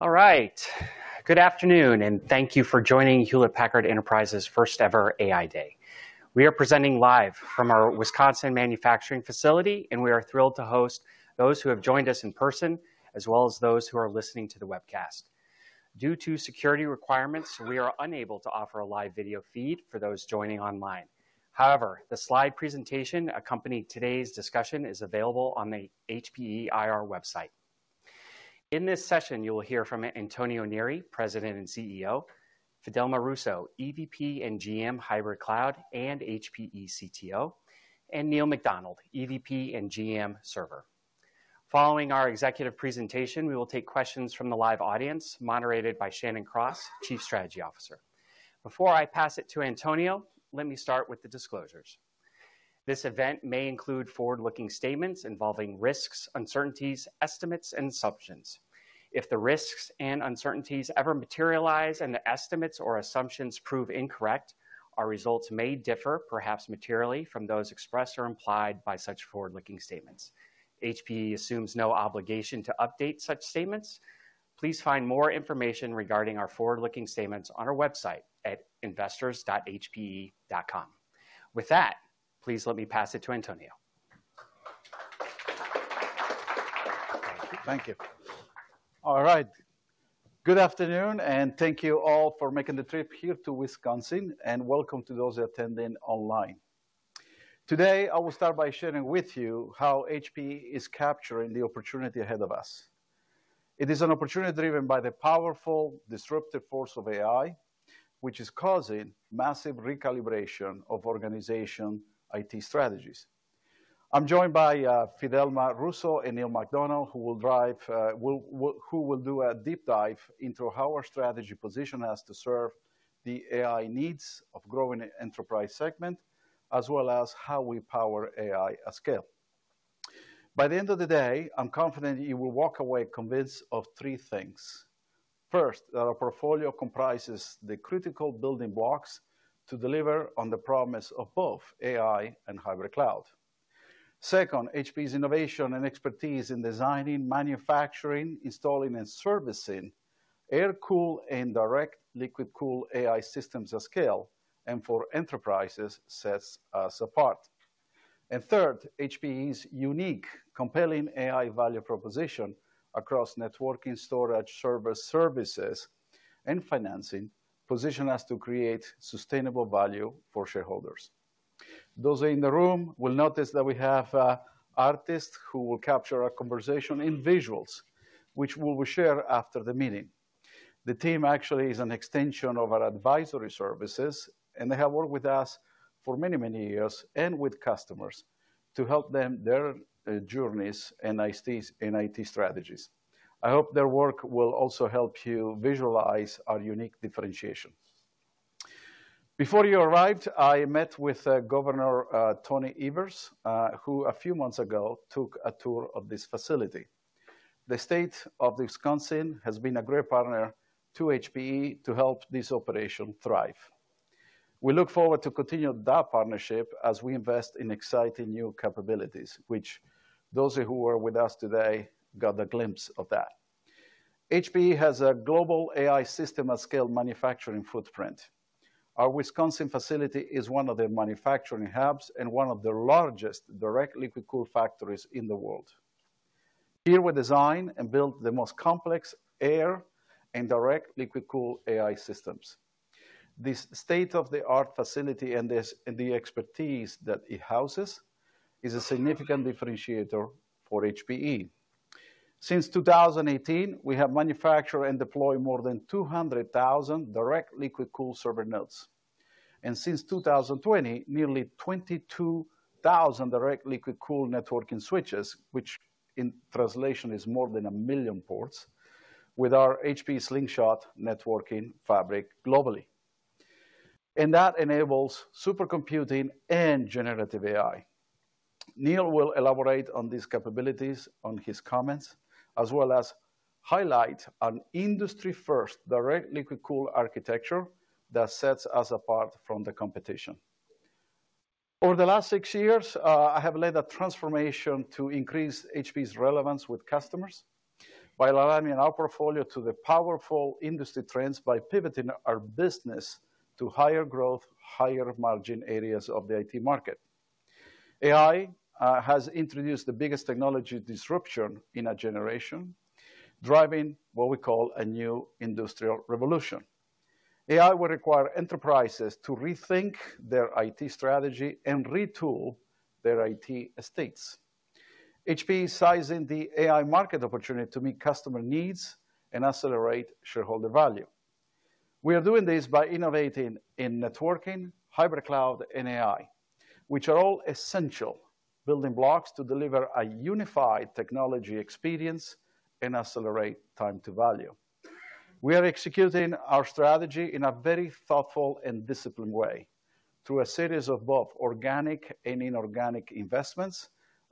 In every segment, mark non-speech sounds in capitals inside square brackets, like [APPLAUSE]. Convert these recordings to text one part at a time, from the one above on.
All right. Good afternoon, and thank you for joining Hewlett Packard Enterprise's first-ever AI Day. We are presenting live from our Wisconsin manufacturing facility, and we are thrilled to host those who have joined us in person, as well as those who are listening to the webcast. Due to security requirements, we are unable to offer a live video feed for those joining online. However, the slide presentation accompanying today's discussion is available on the HPE IR website. In this session, you will hear from Antonio Neri, President and CEO, Fidelma Russo, EVP and GM Hybrid Cloud and HPE CTO, and Neil MacDonald, EVP and GM Server. Following our executive presentation, we will take questions from the live audience, moderated by Shannon Cross, Chief Strategy Officer. Before I pass it to Antonio, let me start with the disclosures. This event may include forward-looking statements involving risks, uncertainties, estimates, and assumptions. If the risks and uncertainties ever materialize and the estimates or assumptions prove incorrect, our results may differ, perhaps materially, from those expressed or implied by such forward-looking statements. HPE assumes no obligation to update such statements. Please find more information regarding our forward-looking statements on our website at investors.hpe.com. With that, please let me pass it to Antonio. Thank you. All right. Good afternoon, and thank you all for making the trip here to Wisconsin, and welcome to those attending online. Today, I will start by sharing with you how HPE is capturing the opportunity ahead of us. It is an opportunity driven by the powerful, disruptive force of AI, which is causing massive recalibration of organization IT strategies. I'm joined by Fidelma Russo and Neil MacDonald, who will do a deep dive into how our strategy position has to serve the AI needs of the growing enterprise segment, as well as how we power AI at scale. By the end of the day, I'm confident you will walk away convinced of three things. First, that our portfolio comprises the critical building blocks to deliver on the promise of both AI and hybrid cloud. Second, HPE's innovation and expertise in designing, manufacturing, installing, and servicing air-cooled and direct liquid-cooled AI systems at scale and for enterprises sets us apart, and third, HPE's unique, compelling AI value proposition across networking, storage, server services, and financing positions us to create sustainable value for shareholders. Those in the room will notice that we have an artist who will capture our conversation in visuals, which we will share after the meeting. The team actually is an extension of our advisory services, and they have worked with us for many, many years and with customers to help them with their journeys and IT strategies. I hope their work will also help you visualize our unique differentiation. Before you arrived, I met with Governor Tony Evers, who a few months ago took a tour of this facility. The state of Wisconsin has been a great partner to HPE to help this operation thrive. We look forward to continuing that partnership as we invest in exciting new capabilities, which those who were with us today got a glimpse of that. HPE has a global AI system at scale manufacturing footprint. Our Wisconsin facility is one of their manufacturing hubs and one of the largest direct liquid-cooled factories in the world. Here, we design and build the most complex air and direct liquid-cooled AI systems. This state-of-the-art facility and the expertise that it houses is a significant differentiator for HPE. Since 2018, we have manufactured and deployed more than 200,000 direct liquid-cooled server nodes. And since 2020, nearly 22,000 direct liquid-cooled networking switches, which in translation is more than a million ports, with our HPE Slingshot networking fabric globally. And that enables supercomputing and generative AI. Neil will elaborate on these capabilities in his comments, as well as highlight an industry-first direct liquid-cooled architecture that sets us apart from the competition. Over the last six years, I have led a transformation to increase HPE's relevance with customers by aligning our portfolio to the powerful industry trends by pivoting our business to higher growth, higher margin areas of the IT market. AI has introduced the biggest technology disruption in a generation, driving what we call a new industrial revolution. AI will require enterprises to rethink their IT strategy and retool their IT estates. HPE is seizing the AI market opportunity to meet customer needs and accelerate shareholder value. We are doing this by innovating in networking, hybrid cloud, and AI, which are all essential building blocks to deliver a unified technology experience and accelerate time to value. We are executing our strategy in a very thoughtful and disciplined way through a series of both organic and inorganic investments,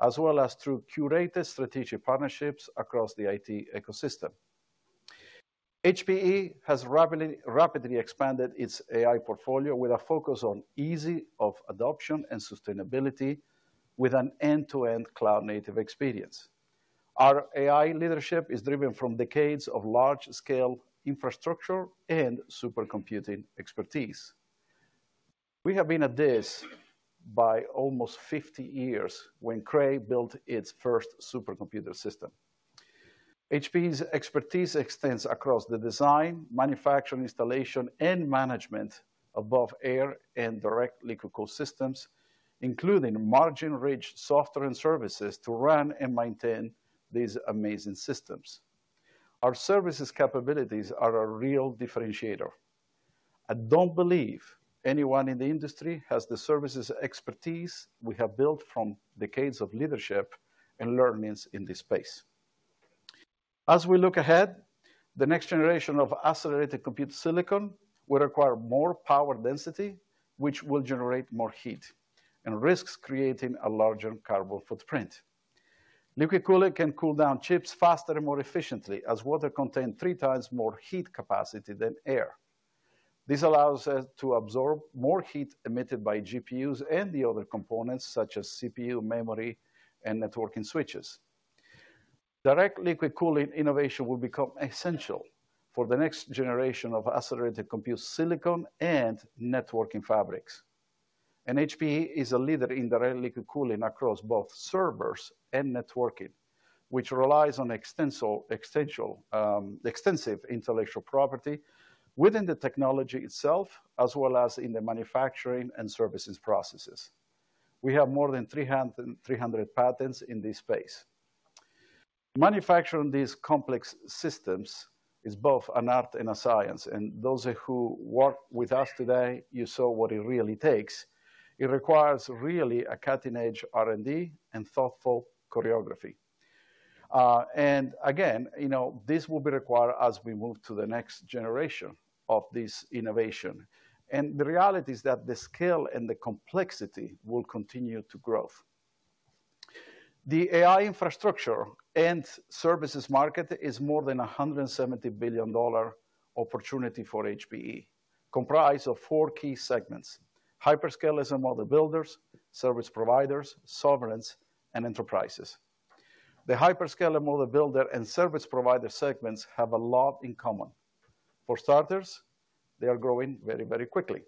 as well as through curated strategic partnerships across the IT ecosystem. HPE has rapidly expanded its AI portfolio with a focus on ease of adoption and sustainability, with an end-to-end cloud-native experience. Our AI leadership is driven from decades of large-scale infrastructure and supercomputing expertise. We have been at this by almost 50 years when Cray built its first supercomputer system. HPE's expertise extends across the design, manufacturing, installation, and management of both air and direct liquid-cooled systems, including margin-rich software and services to run and maintain these amazing systems. Our services capabilities are a real differentiator. I don't believe anyone in the industry has the services expertise we have built from decades of leadership and learnings in this space. As we look ahead, the next generation of accelerated compute silicon will require more power density, which will generate more heat and risks creating a larger carbon footprint. Liquid cooling can cool down chips faster and more efficiently, as water contains three times more heat capacity than air. This allows us to absorb more heat emitted by GPUs and the other components, such as CPU, memory, and networking switches. Direct liquid cooling innovation will become essential for the next generation of accelerated compute silicon and networking fabrics, and HPE is a leader in direct liquid cooling across both servers and networking, which relies on extensive intellectual property within the technology itself, as well as in the manufacturing and services processes. We have more than 300 patents in this space. Manufacturing these complex systems is both an art and a science. Those who work with us today, you saw what it really takes. It requires really a cutting-edge R&D and thoughtful choreography. Again, this will be required as we move to the next generation of this innovation. The reality is that the scale and the complexity will continue to grow. The AI infrastructure and services market is more than a $170 billion opportunity for HPE, comprised of four key segments: hyperscale and model builders, service providers, sovereigns, and enterprises. The hyperscale and model builder and service provider segments have a lot in common. For starters, they are growing very, very quickly.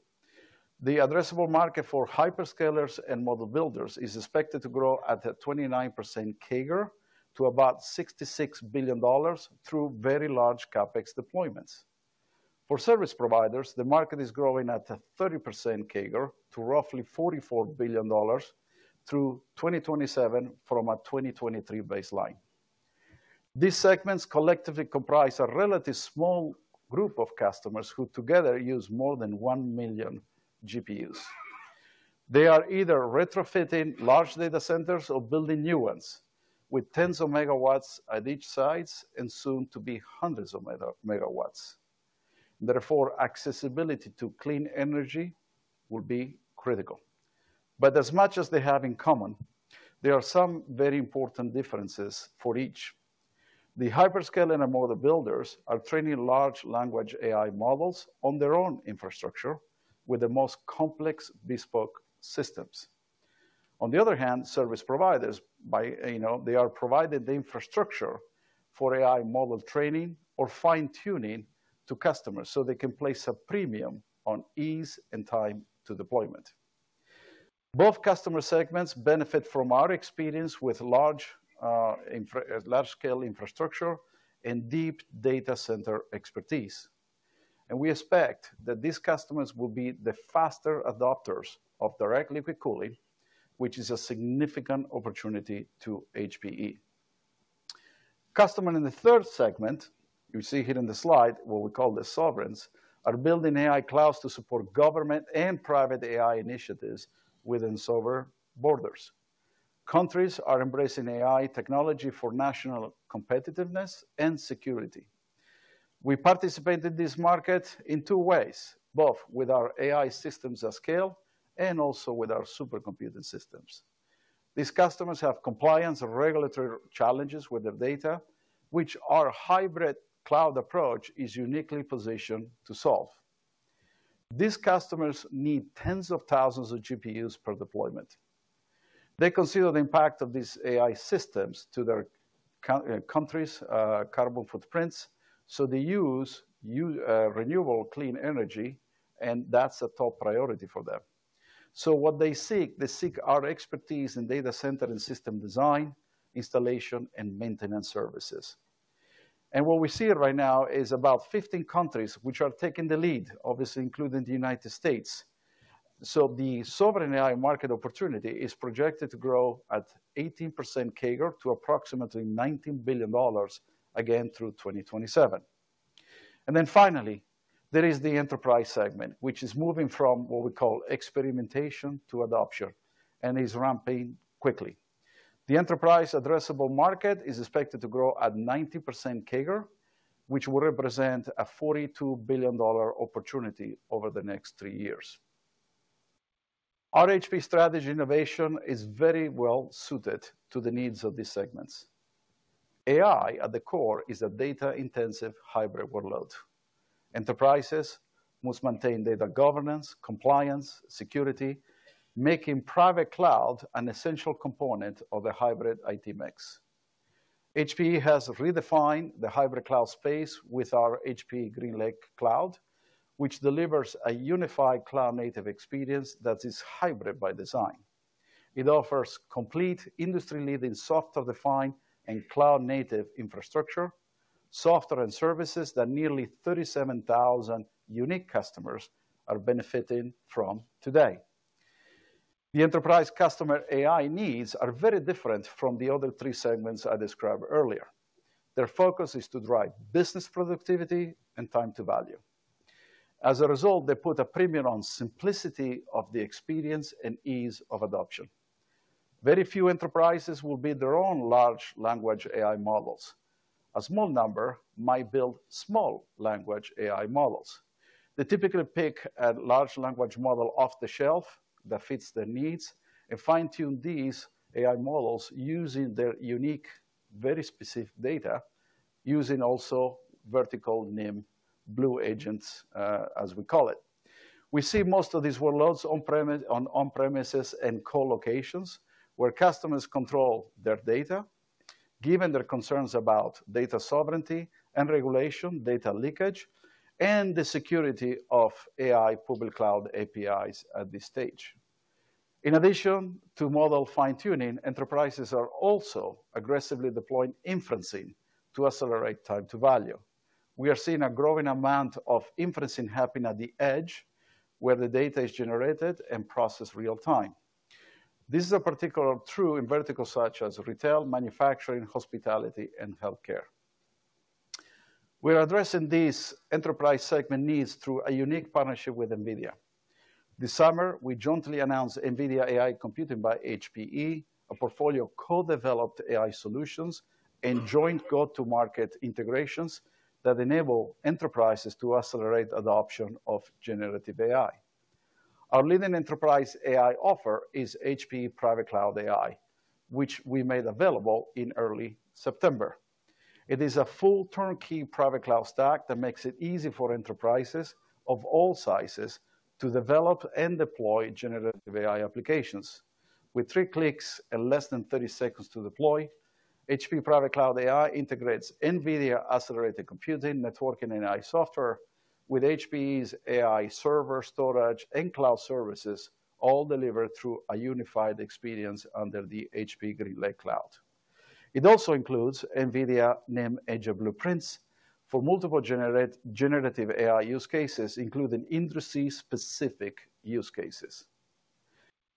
The addressable market for hyperscalers and model builders is expected to grow at a 29% CAGR to about $66 billion through very large CapEx deployments. For service providers, the market is growing at a 30% CAGR to roughly $44 billion through 2027 from a 2023 baseline. These segments collectively comprise a relatively small group of customers who together use more than one million GPUs. They are either retrofitting large data centers or building new ones with tens of megawatts at each size and soon to be hundreds of megawatts. Therefore, accessibility to clean energy will be critical. But as much as they have in common, there are some very important differences for each. The hyperscalers and model builders are training large language models on their own infrastructure with the most complex bespoke systems. On the other hand, service providers, they are providing the infrastructure for AI model training or fine-tuning to customers so they can place a premium on ease and time to deployment. Both customer segments benefit from our experience with large-scale infrastructure and deep data center expertise. And we expect that these customers will be the faster adopters of direct liquid cooling, which is a significant opportunity to HPE. Customers in the third segment, you see here in the slide, what we call the sovereigns, are building AI clouds to support government and private AI initiatives within sovereign borders. Countries are embracing AI technology for national competitiveness and security. We participate in this market in two ways, both with our AI systems at scale and also with our supercomputing systems. These customers have compliance and regulatory challenges with their data, which our hybrid cloud approach is uniquely positioned to solve. These customers need tens of thousands of GPUs per deployment. They consider the impact of these AI systems to their countries' carbon footprints, so they use renewable clean energy, and that's a top priority for them. So what they seek, they seek our expertise in data center and system design, installation, and maintenance services. And what we see right now is about 15 countries which are taking the lead, obviously including the United States. So the sovereign AI market opportunity is projected to grow at 18% CAGR to approximately $19 billion again through 2027. And then finally, there is the enterprise segment, which is moving from what we call experimentation to adoption and is ramping quickly. The enterprise addressable market is expected to grow at 90% CAGR, which will represent a $42 billion opportunity over the next three years. Our HPE strategy innovation is very well suited to the needs of these segments. AI at the core is a data-intensive hybrid workload. Enterprises must maintain data governance, compliance, security, making private cloud an essential component of the hybrid IT mix. HPE has redefined the hybrid cloud space with our HPE GreenLake Cloud, which delivers a unified cloud-native experience that is hybrid by design. It offers complete industry-leading software-defined and cloud-native infrastructure, software and services that nearly 37,000 unique customers are benefiting from today. The enterprise customer AI needs are very different from the other three segments I described earlier. Their focus is to drive business productivity and time to value. As a result, they put a premium on simplicity of the experience and ease of adoption. Very few enterprises will build their own large language AI models. A small number might build small language AI models. They typically pick a large language model off the shelf that fits their needs and fine-tune these AI models using their unique, very specific data, using also vertical NIM Blueprints, as we call it. We see most of these workloads on-premises and co-locations where customers control their data, given their concerns about data sovereignty and regulation, data leakage, and the security of AI public cloud APIs at this stage. In addition to model fine-tuning, enterprises are also aggressively deploying inferencing to accelerate time to value. We are seeing a growing amount of inferencing happen at the edge where the data is generated and processed real-time. This is particularly true in verticals such as retail, manufacturing, hospitality, and healthcare. We are addressing these enterprise segment needs through a unique partnership with NVIDIA. This summer, we jointly announced NVIDIA AI Computing by HPE, a portfolio of co-developed AI solutions and joint go-to-market integrations that enable enterprises to accelerate adoption of generative AI. Our leading enterprise AI offer is HPE Private Cloud AI, which we made available in early September. It is a full turnkey private cloud stack that makes it easy for enterprises of all sizes to develop and deploy generative AI applications. With three clicks and less than 30 seconds to deploy, HPE Private Cloud AI integrates NVIDIA Accelerated Computing Networking and AI Software with HPE's AI server storage and cloud services, all delivered through a unified experience under the HPE GreenLake Cloud. It also includes NVIDIA NIM Edge Blueprints for multiple generative AI use cases, including industry-specific use cases.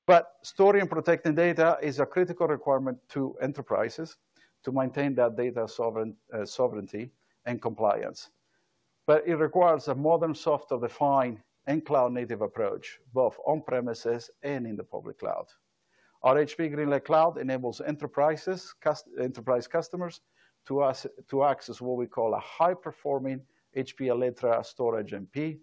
But storing and protecting data is a critical requirement to enterprises to maintain that data sovereignty and compliance. But it requires a modern software-defined and cloud-native approach, both on-premises and in the public cloud. Our HPE GreenLake Cloud enables enterprise customers to access what we call a high-performing HPE Alletra Storage MP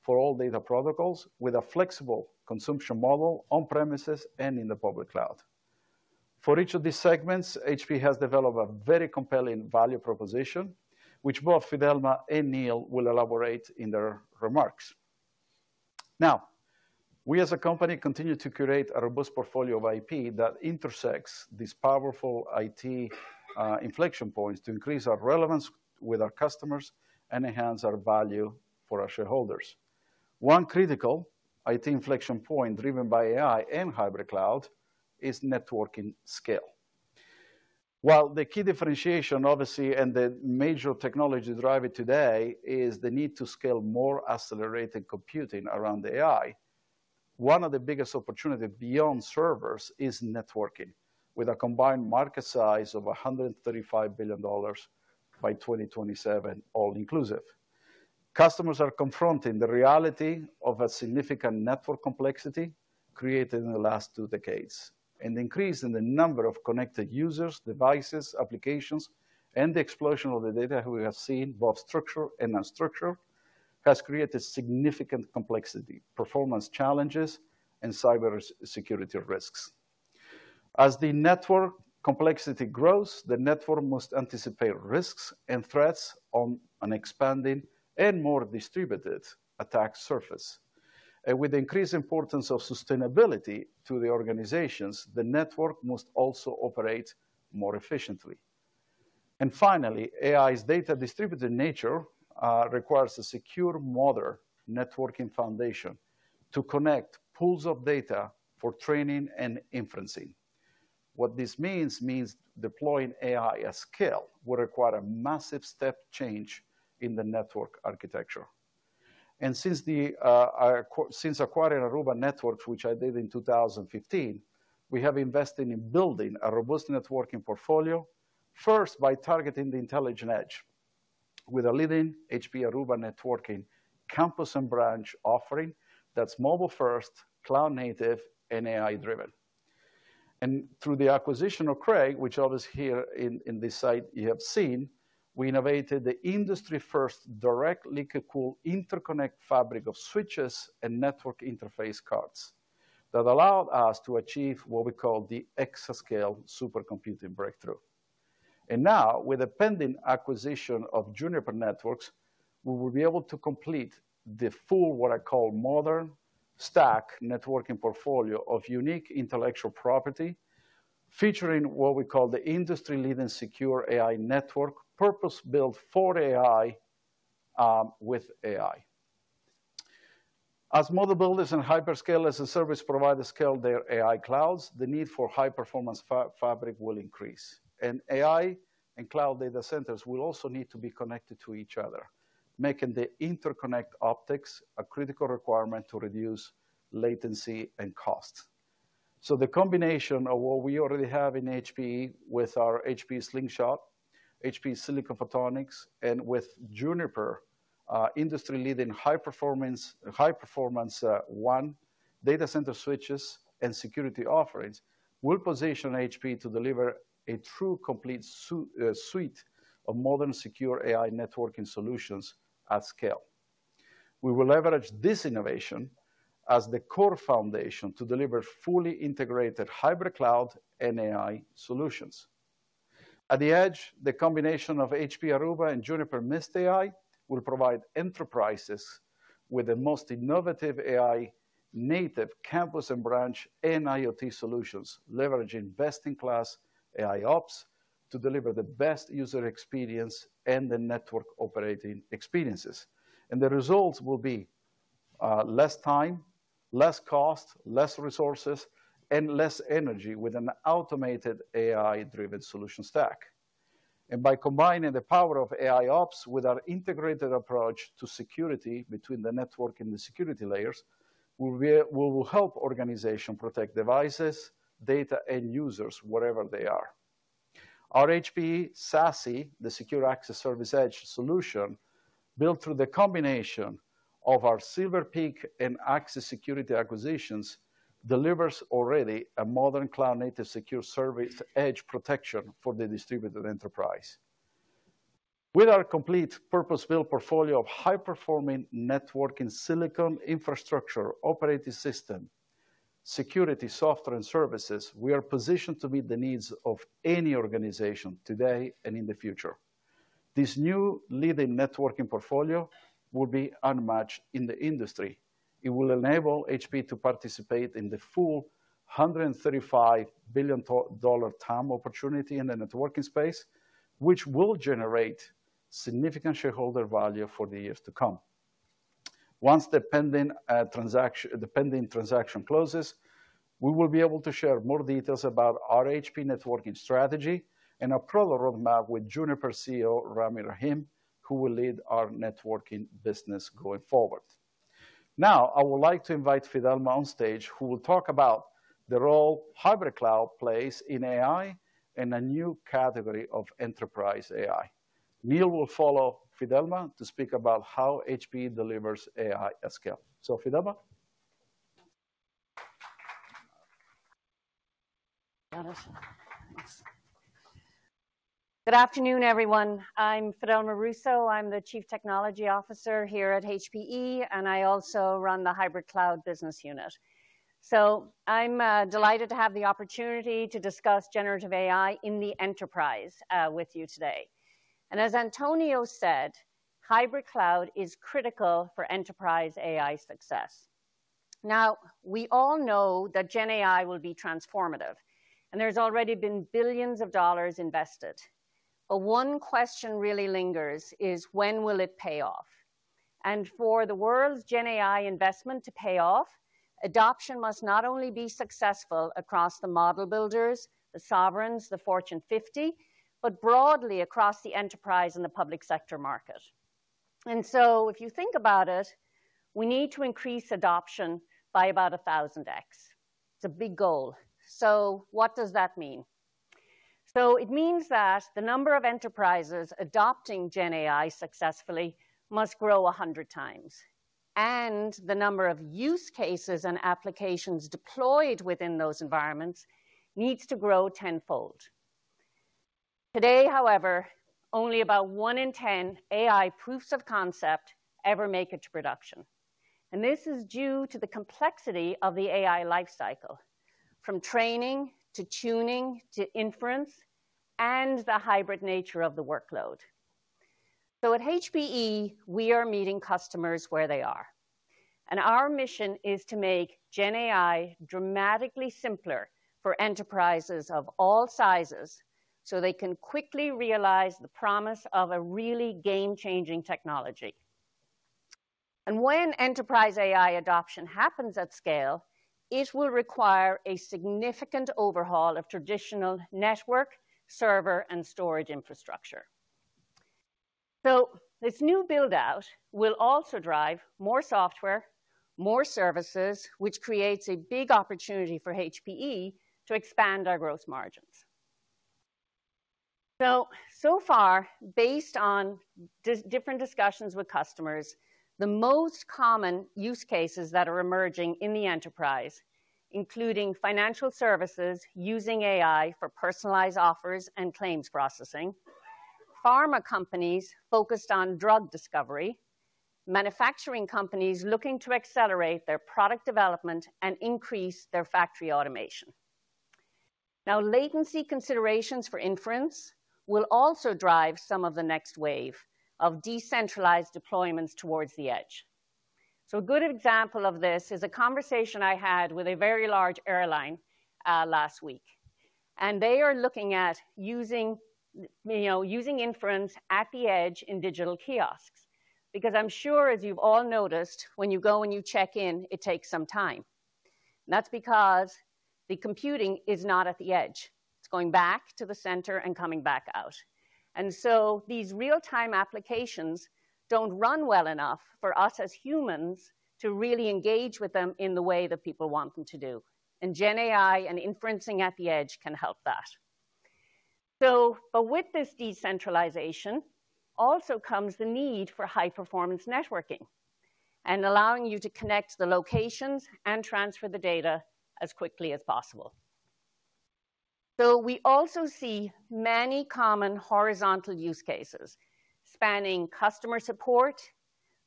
for all data protocols with a flexible consumption model on-premises and in the public cloud. For each of these segments, HPE has developed a very compelling value proposition, which both Fidelma and Neil will elaborate in their remarks. Now, we as a company continue to create a robust portfolio of IP that intersects these powerful IT inflection points to increase our relevance with our customers and enhance our value for our shareholders. One critical IT inflection point driven by AI and hybrid cloud is networking scale. While the key differentiation, obviously, and the major technology driver today is the need to scale more accelerated computing around AI, one of the biggest opportunities beyond servers is networking, with a combined market size of $135 billion by 2027, all inclusive. Customers are confronting the reality of a significant network complexity created in the last two decades and the increase in the number of connected users, devices, applications, and the explosion of the data we have seen, both structured and unstructured, has created significant complexity, performance challenges, and cybersecurity risks. As the network complexity grows, the network must anticipate risks and threats on an expanding and more distributed attack surface. And with the increased importance of sustainability to the organizations, the network must also operate more efficiently. And finally, AI's data distributed nature requires a secure, modern networking foundation to connect pools of data for training and inferencing. What this means deploying AI at scale will require a massive step change in the network architecture. And since acquiring Aruba Networks, which I did in 2015, we have invested in building a robust networking portfolio, first by targeting the intelligent edge with a leading HPE Aruba Networking campus and branch offering that's mobile-first, cloud-native, and AI-driven. And through the acquisition of Cray, which obviously here in this slide you have seen, we innovated the industry-first direct liquid-cooled interconnect fabric of switches and network interface cards that allowed us to achieve what we call the exascale supercomputing breakthrough. And now, with the pending acquisition of Juniper Networks, we will be able to complete the full, what I call, modern stack networking portfolio of unique intellectual property featuring what we call the industry-leading secure AI network purpose-built for AI with AI. As model builders and hyperscalers and service providers scale their AI clouds, the need for high-performance fabric will increase. AI and cloud data centers will also need to be connected to each other, making the interconnect optics a critical requirement to reduce latency and cost. The combination of what we already have in HPE with our HPE Slingshot, HPE silicon photonics, and with Juniper industry-leading high-performance intra data center switches and security offerings will position HPE to deliver a true complete suite of modern secure AI networking solutions at scale. We will leverage this innovation as the core foundation to deliver fully integrated hybrid cloud and AI solutions. At the edge, the combination of HPE Aruba and Juniper Mist AI will provide enterprises with the most innovative AI-native campus and branch and IoT solutions, leveraging best-in-class AIOps to deliver the best user experience and the network operating experiences. And the results will be less time, less cost, less resources, and less energy with an automated AI-driven solution stack. And by combining the power of AIOps with our integrated approach to security between the network and the security layers, we will help organizations protect devices, data, and users wherever they are. Our HPE SASE, the Secure Access Service Edge solution built through the combination of our Silver Peak and Axis Security acquisitions, delivers already a modern cloud-native secure service edge protection for the distributed enterprise. With our complete purpose-built portfolio of high-performing networking silicon infrastructure operating system security software and services, we are positioned to meet the needs of any organization today and in the future. This new leading networking portfolio will be unmatched in the industry. It will enable HPE to participate in the full $135 billion TAM opportunity in the networking space, which will generate significant shareholder value for the years to come. Once the pending transaction closes, we will be able to share more details about our HPE networking strategy and our product roadmap with Juniper CEO Rami Rahim, who will lead our networking business going forward. Now, I would like to invite Fidelma on stage, who will talk about the role hybrid cloud plays in AI and a new category of enterprise AI. Neil will follow Fidelma to speak about how HPE delivers AI at scale. So, Fidelma? Good afternoon, everyone. I'm Fidelma Russo. I'm the Chief Technology Officer here at HPE, and I also run the Hybrid Cloud Business Unit. So I'm delighted to have the opportunity to discuss generative AI in the enterprise with you today. As Antonio said, hybrid cloud is critical for enterprise AI success. Now, we all know that GenAI will be transformative, and there's already been billions of dollars invested. But one question really lingers: When will it pay off? For the world's GenAI investment to pay off, adoption must not only be successful across the model builders, the sovereigns, the Fortune 50, but broadly across the enterprise and the public sector market. If you think about it, we need to increase adoption by about 1,000x. It's a big goal. What does that mean? It means that the number of enterprises adopting GenAI successfully must grow 100 times, and the number of use cases and applications deployed within those environments needs to grow tenfold. Today, however, only about one in ten AI proofs of concept ever make it to production. And this is due to the complexity of the AI lifecycle, from training to tuning to inference and the hybrid nature of the workload. So at HPE, we are meeting customers where they are. And our mission is to make GenAI dramatically simpler for enterprises of all sizes so they can quickly realize the promise of a really game-changing technology. And when enterprise AI adoption happens at scale, it will require a significant overhaul of traditional network, server, and storage infrastructure. So this new build-out will also drive more software, more services, which creates a big opportunity for HPE to expand our gross margins. So far, based on different discussions with customers, the most common use cases that are emerging in the enterprise, including financial services using AI for personalized offers and claims processing, pharma companies focused on drug discovery, manufacturing companies looking to accelerate their product development and increase their factory automation. Now, latency considerations for inference will also drive some of the next wave of decentralized deployments towards the edge. So a good example of this is a conversation I had with a very large airline last week. And they are looking at using inference at the edge in digital kiosks because I'm sure, as you've all noticed, when you go and you check in, it takes some time. And that's because the computing is not at the edge. It's going back to the center and coming back out. And so these real-time applications don't run well enough for us as humans to really engage with them in the way that people want them to do. And GenAI and inferencing at the edge can help that. But with this decentralization also comes the need for high-performance networking and allowing you to connect the locations and transfer the data as quickly as possible. So we also see many common horizontal use cases spanning customer support,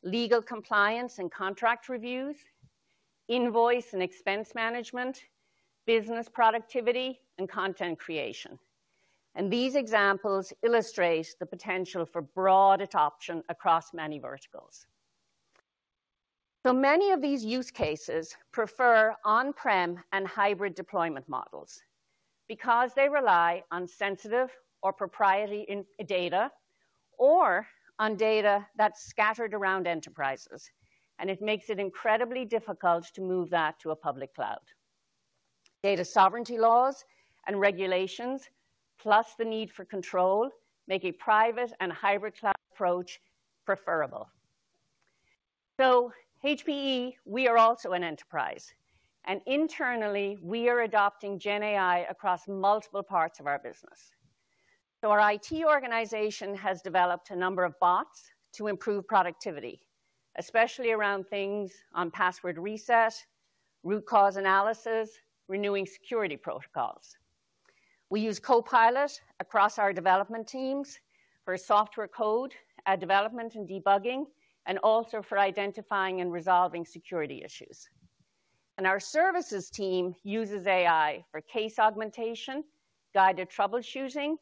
legal compliance and contract reviews, invoice and expense management, business productivity, and content creation. And these examples illustrate the potential for broad adoption across many verticals. So many of these use cases prefer on-prem and hybrid deployment models because they rely on sensitive or proprietary data or on data that's scattered around enterprises. And it makes it incredibly difficult to move that to a public cloud. Data sovereignty laws and regulations, plus the need for control, make a private and hybrid cloud approach preferable. So HPE, we are also an enterprise. And internally, we are adopting GenAI across multiple parts of our business. So our IT organization has developed a number of bots to improve productivity, especially around things on password reset, root cause analysis, renewing security protocols. We use Copilot across our development teams for software code development and debugging, and also for identifying and resolving security issues. And our services team uses AI for case augmentation, guided troubleshooting,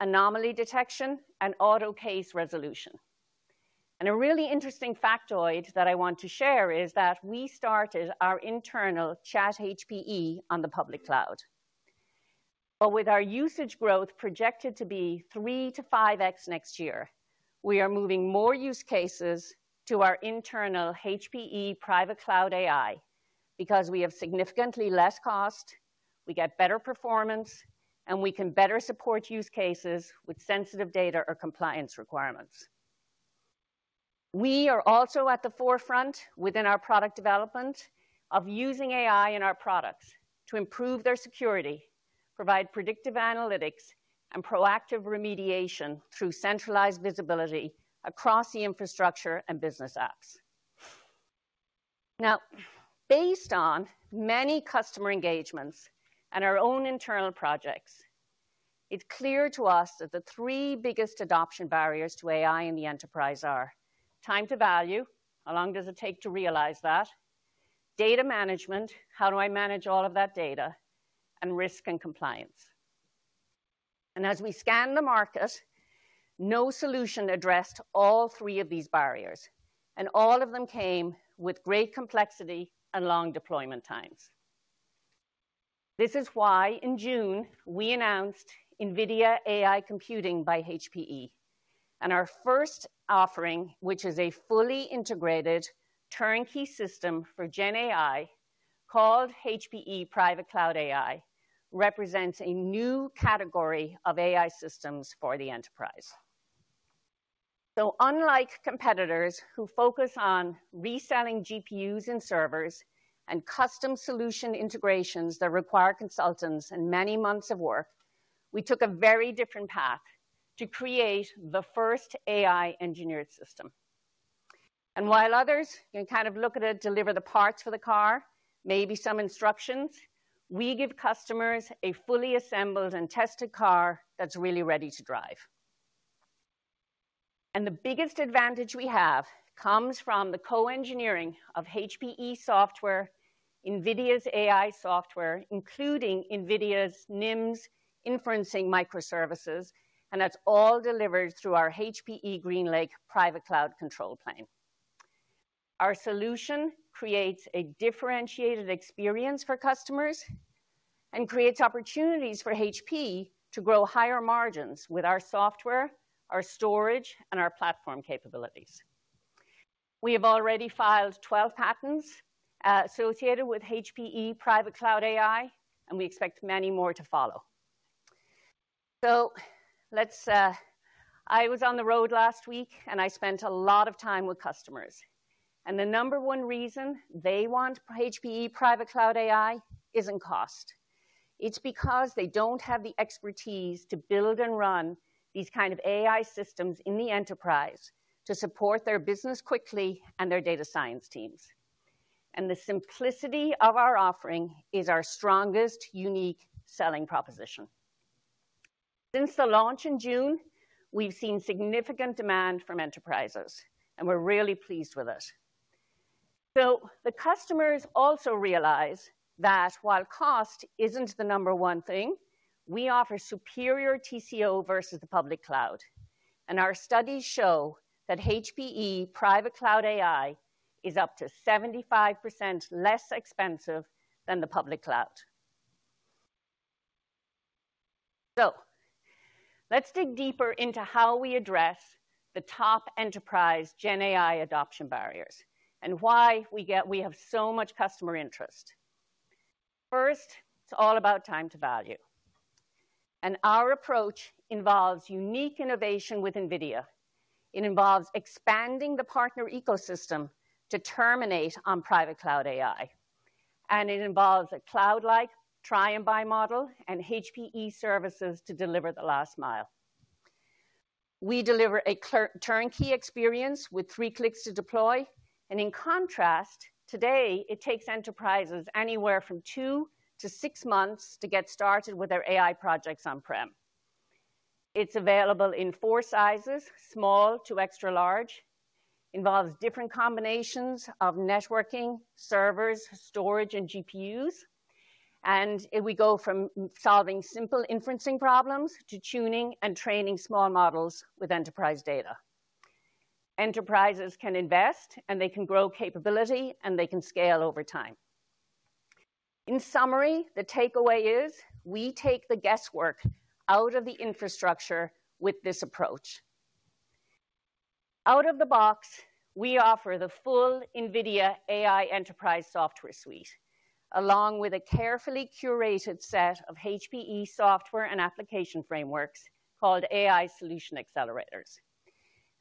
anomaly detection, and auto case resolution. And a really interesting factoid that I want to share is that we started our internal ChatHPE on the public cloud. But with our usage growth projected to be 3-5x next year, we are moving more use cases to our internal HPE Private Cloud AI because we have significantly less cost, we get better performance, and we can better support use cases with sensitive data or compliance requirements. We are also at the forefront within our product development of using AI in our products to improve their security, provide predictive analytics, and proactive remediation through centralized visibility across the infrastructure and business apps. Now, based on many customer engagements and our own internal projects, it's clear to us that the three biggest adoption barriers to AI in the enterprise are time to value, how long does it take to realize that, data management, how do I manage all of that data, and risk and compliance. And as we scan the market, no solution addressed all three of these barriers. And all of them came with great complexity and long deployment times. This is why in June, we announced NVIDIA AI Computing by HPE. And our first offering, which is a fully integrated turnkey system for GenAI called HPE Private Cloud AI, represents a new category of AI systems for the enterprise. So unlike competitors who focus on reselling GPUs and servers and custom solution integrations that require consultants and many months of work, we took a very different path to create the first AI engineered system. And while others can kind of look at it, deliver the parts for the car, maybe some instructions, we give customers a fully assembled and tested car that's really ready to drive. And the biggest advantage we have comes from the co-engineering of HPE software, NVIDIA's AI software, including NVIDIA's NIMs inference microservices. And that's all delivered through our HPE GreenLake private cloud control plane. Our solution creates a differentiated experience for customers and creates opportunities for HPE to grow higher margins with our software, our storage, and our platform capabilities. We have already filed 12 patents associated with HPE Private Cloud AI, and we expect many more to follow. So I was on the road last week, and I spent a lot of time with customers. And the number one reason they want HPE Private Cloud AI isn't cost. It's because they don't have the expertise to build and run these kinds of AI systems in the enterprise to support their business quickly and their data science teams. And the simplicity of our offering is our strongest, unique selling proposition. Since the launch in June, we've seen significant demand from enterprises, and we're really pleased with it. So the customers also realize that while cost isn't the number one thing, we offer superior TCO versus the public cloud. And our studies show that HPE Private Cloud AI is up to 75% less expensive than the public cloud. So let's dig deeper into how we address the top enterprise GenAI adoption barriers and why we have so much customer interest. First, it's all about time to value. And our approach involves unique innovation with NVIDIA. It involves expanding the partner ecosystem to terminate on private cloud AI. And it involves a cloud-like try-and-buy model and HPE services to deliver the last mile. We deliver a turnkey experience with three clicks to deploy. And in contrast, today, it takes enterprises anywhere from two to six months to get started with their AI projects on-prem. It's available in four sizes, small to extra large. It involves different combinations of networking, servers, storage, and GPUs, and we go from solving simple inferencing problems to tuning and training small models with enterprise data. Enterprises can invest, and they can grow capability, and they can scale over time. In summary, the takeaway is we take the guesswork out of the infrastructure with this approach. Out of the box, we offer the full NVIDIA AI Enterprise software suite along with a carefully curated set of HPE software and application frameworks called AI Solution Accelerators,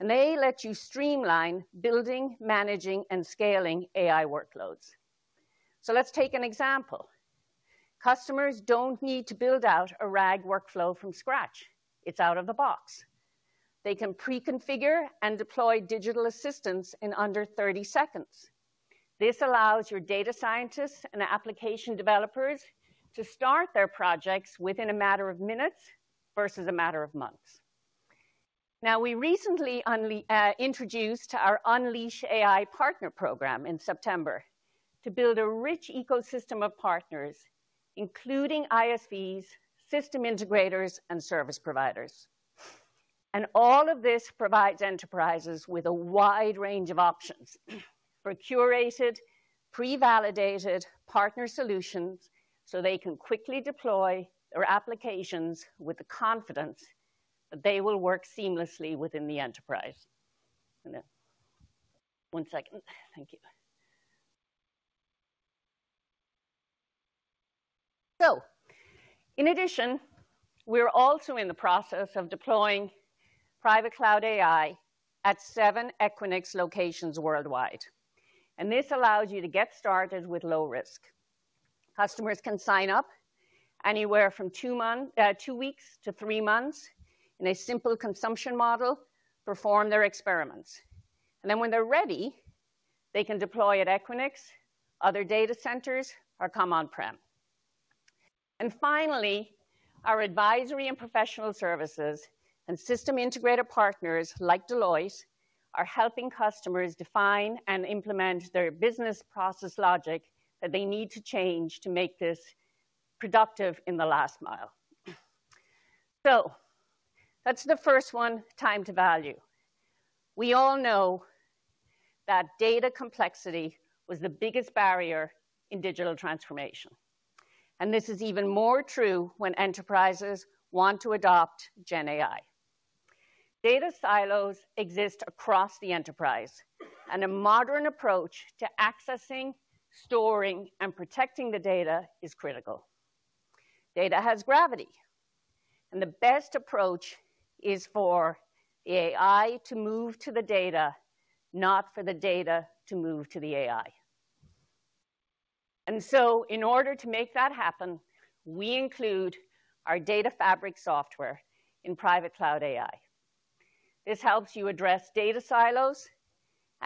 and they let you streamline building, managing, and scaling AI workloads, so let's take an example. Customers don't need to build out a RAG workflow from scratch. It's out of the box. They can pre-configure and deploy digital assistants in under 30 seconds. This allows your data scientists and application developers to start their projects within a matter of minutes versus a matter of months. Now, we recently introduced our Unleash AI Partner Program in September to build a rich ecosystem of partners, including ISVs, system integrators, and service providers. All of this provides enterprises with a wide range of options for curated, pre-validated partner solutions so they can quickly deploy their applications with the confidence that they will work seamlessly within the enterprise. One second. Thank you. In addition, we're also in the process of deploying Private Cloud AI at seven Equinix locations worldwide. This allows you to get started with low risk. Customers can sign up anywhere from two weeks to three months in a simple consumption model, perform their experiments. Then when they're ready, they can deploy at Equinix, other data centers, or come on-prem. And finally, our advisory and professional services and system integrator partners like Deloitte are helping customers define and implement their business process logic that they need to change to make this productive in the last mile. So that's the first one, time to value. We all know that data complexity was the biggest barrier in digital transformation. And this is even more true when enterprises want to adopt GenAI. Data silos exist across the enterprise, and a modern approach to accessing, storing, and protecting the data is critical. Data has gravity. And the best approach is for the AI to move to the data, not for the data to move to the AI. And so in order to make that happen, we include our Data Fabric software in Private Cloud AI. This helps you address data silos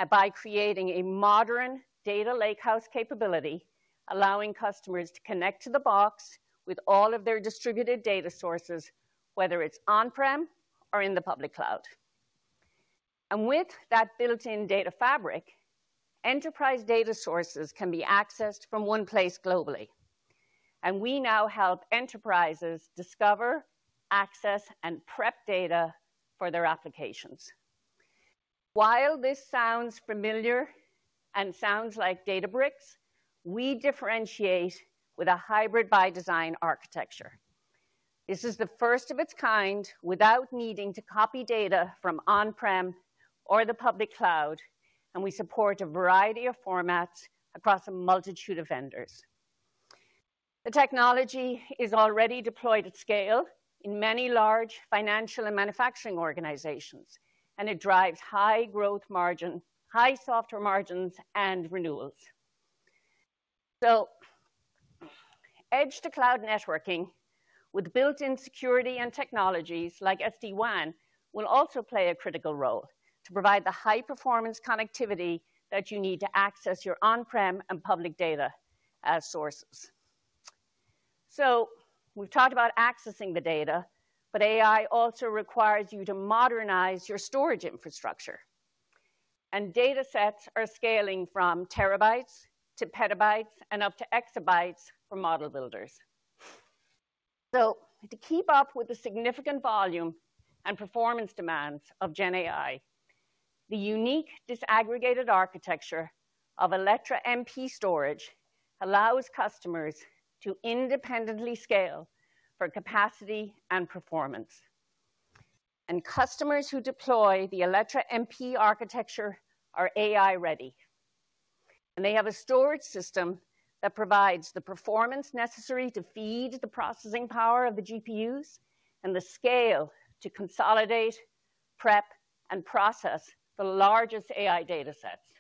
by creating a modern data lakehouse capability, allowing customers to connect to the box with all of their distributed data sources, whether it's on-prem or in the public cloud, and with that built-in Data Fabric, enterprise data sources can be accessed from one place globally, and we now help enterprises discover, access, and prep data for their applications. While this sounds familiar and sounds like Databricks, we differentiate with a hybrid by design architecture. This is the first of its kind without needing to copy data from on-prem or the public cloud, and we support a variety of formats across a multitude of vendors. The technology is already deployed at scale in many large financial and manufacturing organizations, and it drives high growth margin, high software margins, and renewals. So edge-to-cloud networking with built-in security and technologies like SD-WAN will also play a critical role to provide the high-performance connectivity that you need to access your on-prem and public data sources. So we've talked about accessing the data, but AI also requires you to modernize your storage infrastructure. And data sets are scaling from terabytes to petabytes and up to exabytes for model builders. So to keep up with the significant volume and performance demands of GenAI, the unique disaggregated architecture of Alletra MP Storage allows customers to independently scale for capacity and performance. And customers who deploy the Alletra MP architecture are AI-ready. And they have a storage system that provides the performance necessary to feed the processing power of the GPUs and the scale to consolidate, prep, and process the largest AI data sets.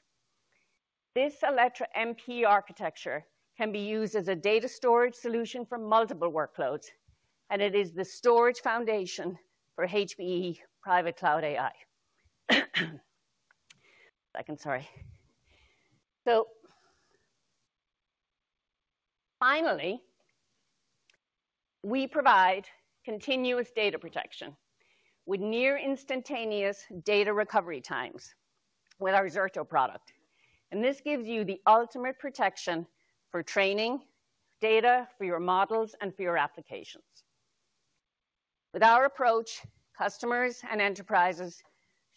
This Alletra MP architecture can be used as a data storage solution for multiple workloads, and it is the storage foundation for HPE Private Cloud AI. Second, sorry. So finally, we provide continuous data protection with near-instantaneous data recovery times with our Zerto product. And this gives you the ultimate protection for training data for your models and for your applications. With our approach, customers and enterprises,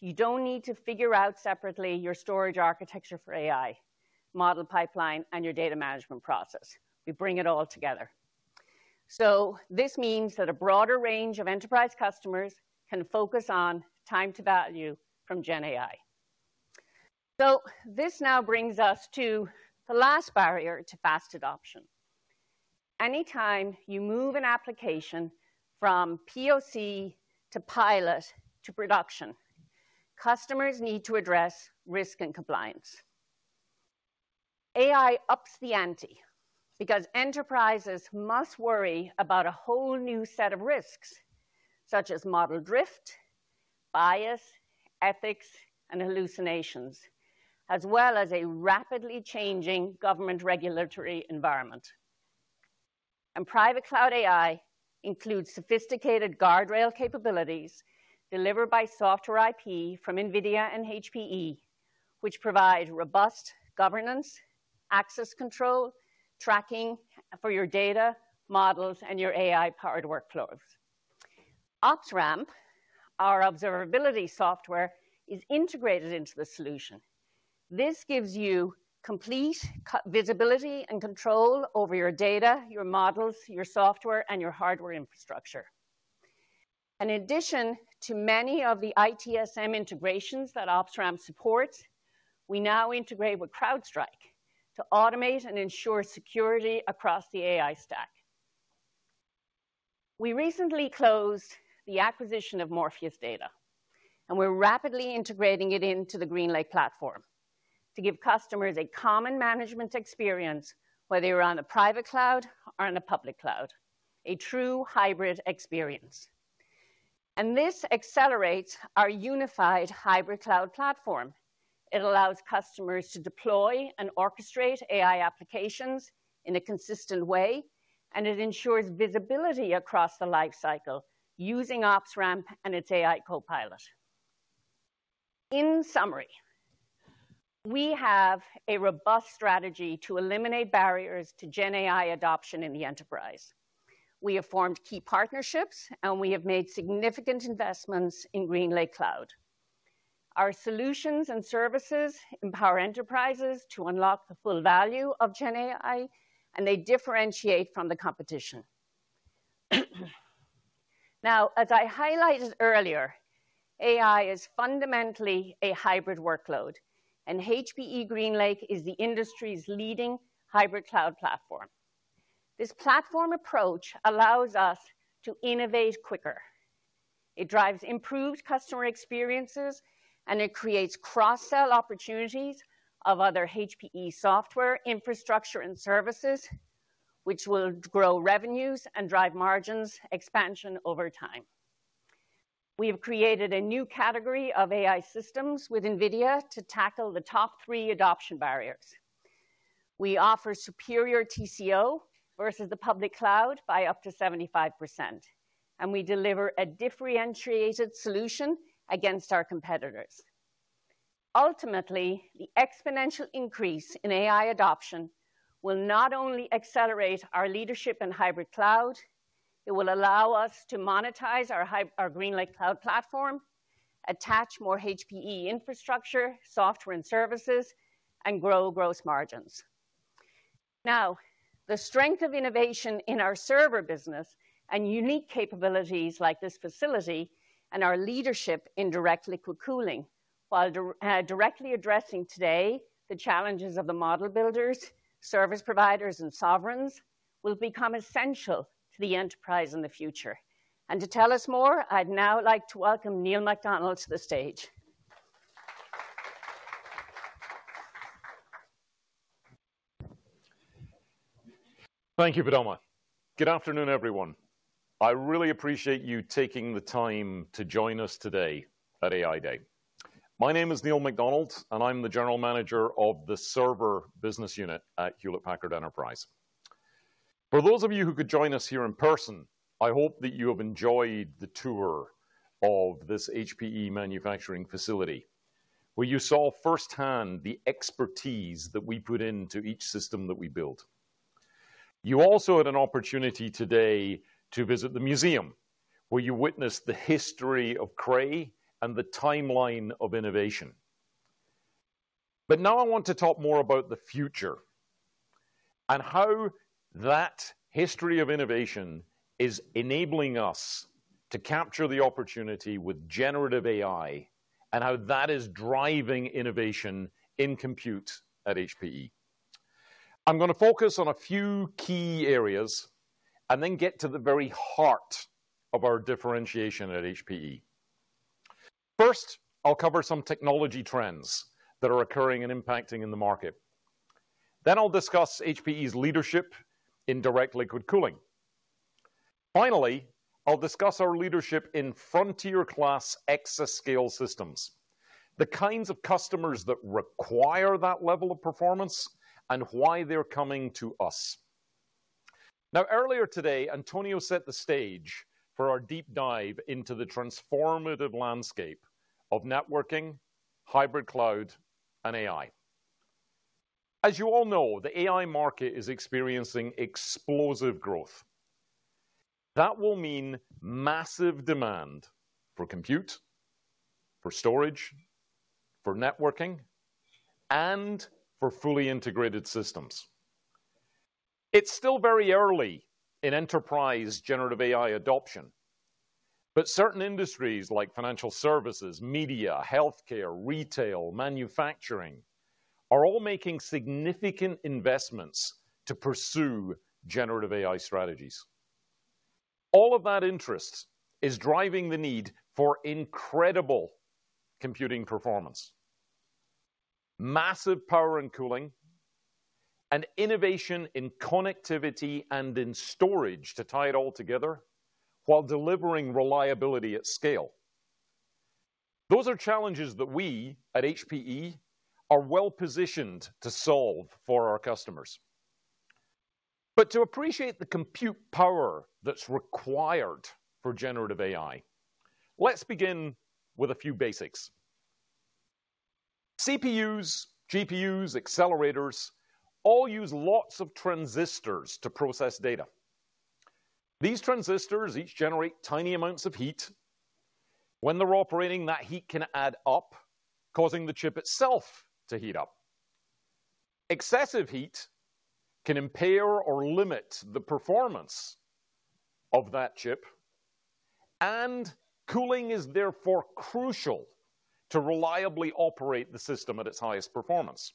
you don't need to figure out separately your storage architecture for AI, model pipeline, and your data management process. We bring it all together. So this means that a broader range of enterprise customers can focus on time to value from GenAI. So this now brings us to the last barrier to fast adoption. Anytime you move an application from POC to pilot to production, customers need to address risk and compliance. AI ups the ante because enterprises must worry about a whole new set of risks, such as model drift, bias, ethics, and hallucinations, as well as a rapidly changing government regulatory environment. And Private Cloud AI includes sophisticated guardrail capabilities delivered by software IP from NVIDIA and HPE, which provide robust governance, access control, tracking for your data, models, and your AI-powered workflows. OpsRamp, our observability software, is integrated into the solution. This gives you complete visibility and control over your data, your models, your software, and your hardware infrastructure. In addition to many of the ITSM integrations that OpsRamp supports, we now integrate with CrowdStrike to automate and ensure security across the AI stack. We recently closed the acquisition of Morpheus Data, and we're rapidly integrating it into the GreenLake platform to give customers a common management experience, whether you're on a private cloud or on a public cloud, a true hybrid experience. This accelerates our unified hybrid cloud platform. It allows customers to deploy and orchestrate AI applications in a consistent way, and it ensures visibility across the lifecycle using OpsRamp and its AI Copilot. In summary, we have a robust strategy to eliminate barriers to GenAI adoption in the enterprise. We have formed key partnerships, and we have made significant investments in GreenLake Cloud. Our solutions and services empower enterprises to unlock the full value of GenAI, and they differentiate from the competition. Now, as I highlighted earlier, AI is fundamentally a hybrid workload, and HPE GreenLake is the industry's leading hybrid cloud platform. This platform approach allows us to innovate quicker. It drives improved customer experiences, and it creates cross-sell opportunities of other HPE software infrastructure and services, which will grow revenues and drive margins expansion over time. We have created a new category of AI systems with NVIDIA to tackle the top three adoption barriers. We offer superior TCO versus the public cloud by up to 75%, and we deliver a differentiated solution against our competitors. Ultimately, the exponential increase in AI adoption will not only accelerate our leadership in hybrid cloud, it will allow us to monetize our GreenLake Cloud platform, attach more HPE infrastructure, software, and services, and grow gross margins. Now, the strength of innovation in our server business and unique capabilities like this facility and our leadership in direct liquid cooling, while directly addressing today the challenges of the model builders, service providers, and sovereigns, will become essential to the enterprise in the future, and to tell us more, I'd now like to welcome Neil MacDonald to the stage. Thank you, Fidelma. Good afternoon, everyone. I really appreciate you taking the time to join us today at AI Day. My name is Neil MacDonald, and I'm the general manager of the server business unit at Hewlett Packard Enterprise. For those of you who could join us here in person, I hope that you have enjoyed the tour of this HPE manufacturing facility, where you saw firsthand the expertise that we put into each system that we build. You also had an opportunity today to visit the museum, where you witnessed the history of Cray and the timeline of innovation. But now I want to talk more about the future and how that history of innovation is enabling us to capture the opportunity with generative AI and how that is driving innovation in compute at HPE. I'm going to focus on a few key areas and then get to the very heart of our differentiation at HPE. First, I'll cover some technology trends that are occurring and impacting in the market. Then I'll discuss HPE's leadership in direct liquid cooling. Finally, I'll discuss our leadership in Frontier-class exascale systems, the kinds of customers that require that level of performance and why they're coming to us. Now, earlier today, Antonio set the stage for our deep dive into the transformative landscape of networking, hybrid cloud, and AI. As you all know, the AI market is experiencing explosive growth. That will mean massive demand for compute, for storage, for networking, and for fully integrated systems. It's still very early in enterprise generative AI adoption, but certain industries like financial services, media, healthcare, retail, manufacturing are all making significant investments to pursue generative AI strategies. All of that interest is driving the need for incredible computing performance, massive power and cooling, and innovation in connectivity and in storage to tie it all together while delivering reliability at scale. Those are challenges that we at HPE are well-positioned to solve for our customers. But to appreciate the compute power that's required for generative AI, let's begin with a few basics. CPUs, GPUs, accelerators all use lots of transistors to process data. These transistors each generate tiny amounts of heat. When they're operating, that heat can add up, causing the chip itself to heat up. Excessive heat can impair or limit the performance of that chip, and cooling is therefore crucial to reliably operate the system at its highest performance.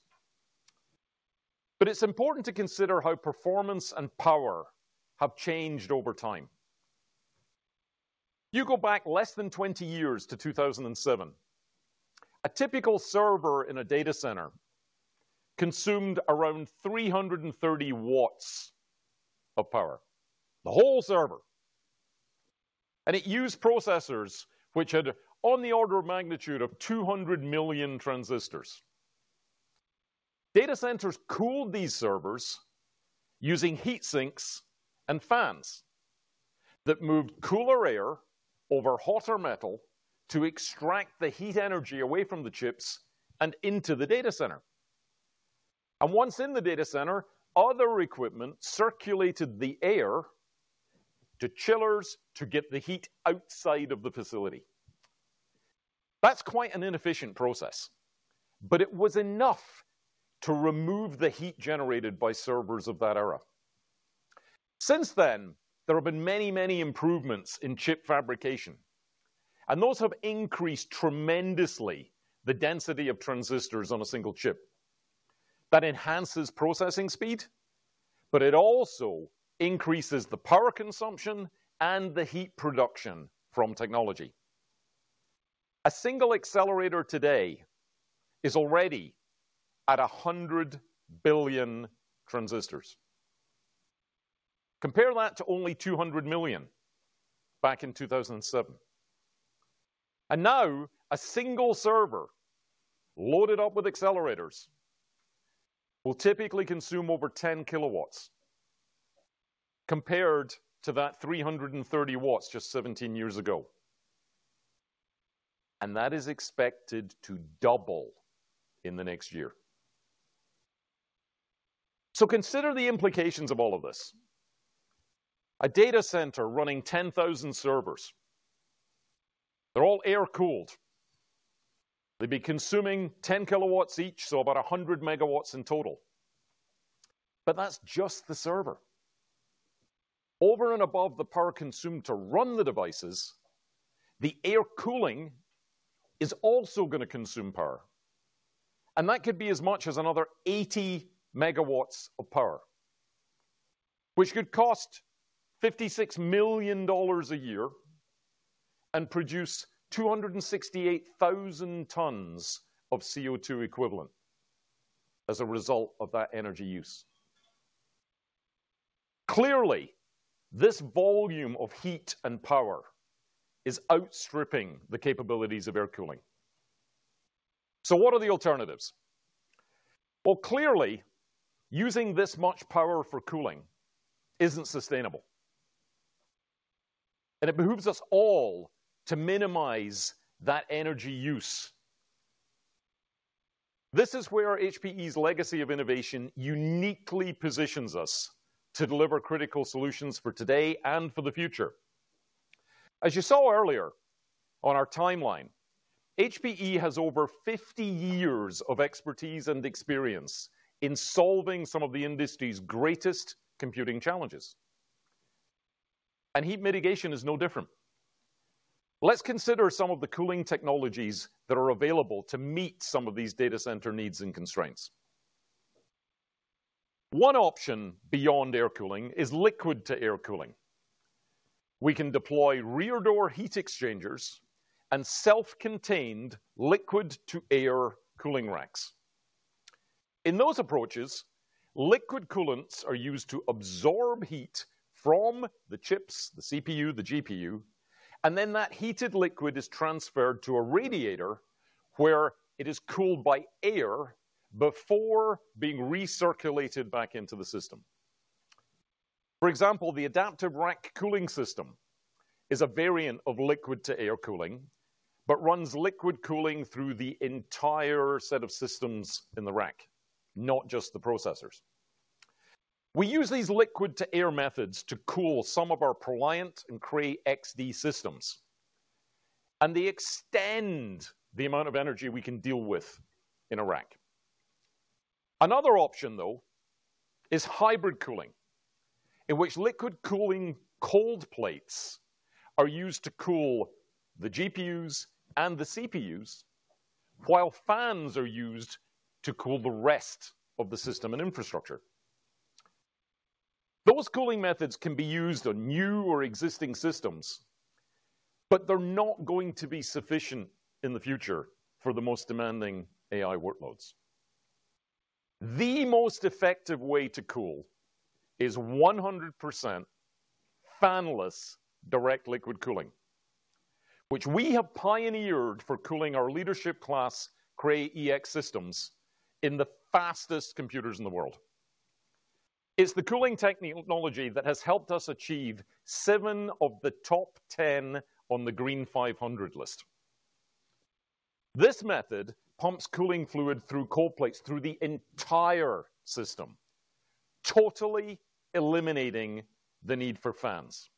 But it's important to consider how performance and power have changed over time. You go back less than 20 years to 2007. A typical server in a data center consumed around 330 W of power, the whole server. And it used processors which had on the order of magnitude of 200 million transistors. Data centers cooled these servers using heat sinks and fans that moved cooler air over hotter metal to extract the heat energy away from the chips and into the data center. And once in the data center, other equipment circulated the air to chillers to get the heat outside of the facility. That's quite an inefficient process, but it was enough to remove the heat generated by servers of that era. Since then, there have been many, many improvements in chip fabrication, and those have increased tremendously the density of transistors on a single chip. That enhances processing speed, but it also increases the power consumption and the heat production from technology. A single accelerator today is already at 100 billion transistors. Compare that to only 200 million back in 2007. And now a single server loaded up with accelerators will typically consume over 10 kW compared to that 330 W just 17 years ago. And that is expected to double in the next year. So consider the implications of all of this. A data center running 10,000 servers, they're all air-cooled. They'd be consuming 10 kW each, so about 100 MW in total. But that's just the server. Over and above the power consumed to run the devices, the air cooling is also going to consume power, and that could be as much as another 80 MW of power, which could cost $56 million a year and produce 268,000 tons of CO2 equivalent as a result of that energy use. Clearly, this volume of heat and power is outstripping the capabilities of air cooling, so what are the alternatives? Well, clearly, using this much power for cooling isn't sustainable, and it behooves us all to minimize that energy use. This is where HPE's legacy of innovation uniquely positions us to deliver critical solutions for today and for the future. As you saw earlier on our timeline, HPE has over 50 years of expertise and experience in solving some of the industry's greatest computing challenges, and heat mitigation is no different. Let's consider some of the cooling technologies that are available to meet some of these data center needs and constraints. One option beyond air cooling is liquid-to-air cooling. We can deploy rear-door heat exchangers and self-contained liquid-to-air cooling racks. In those approaches, liquid coolants are used to absorb heat from the chips, the CPU, the GPU, and then that heated liquid is transferred to a radiator where it is cooled by air before being recirculated back into the system. For example, the Adaptive Rack Cooling System is a variant of liquid-to-air cooling but runs liquid cooling through the entire set of systems in the rack, not just the processors. We use these liquid-to-air methods to cool some of our ProLiant and Cray XD systems, and they extend the amount of energy we can deal with in a rack. Another option, though, is hybrid cooling, in which liquid cooling cold plates are used to cool the GPUs and the CPUs while fans are used to cool the rest of the system and infrastructure. Those cooling methods can be used on new or existing systems, but they're not going to be sufficient in the future for the most demanding AI workloads. The most effective way to cool is 100% fanless direct liquid cooling, which we have pioneered for cooling our leadership-class Cray EX systems in the fastest computers in the world. It's the cooling technology that has helped us achieve seven of the top 10 on the Green500 list. This method pumps cooling fluid through cold plates through the entire system, totally eliminating the need for fans,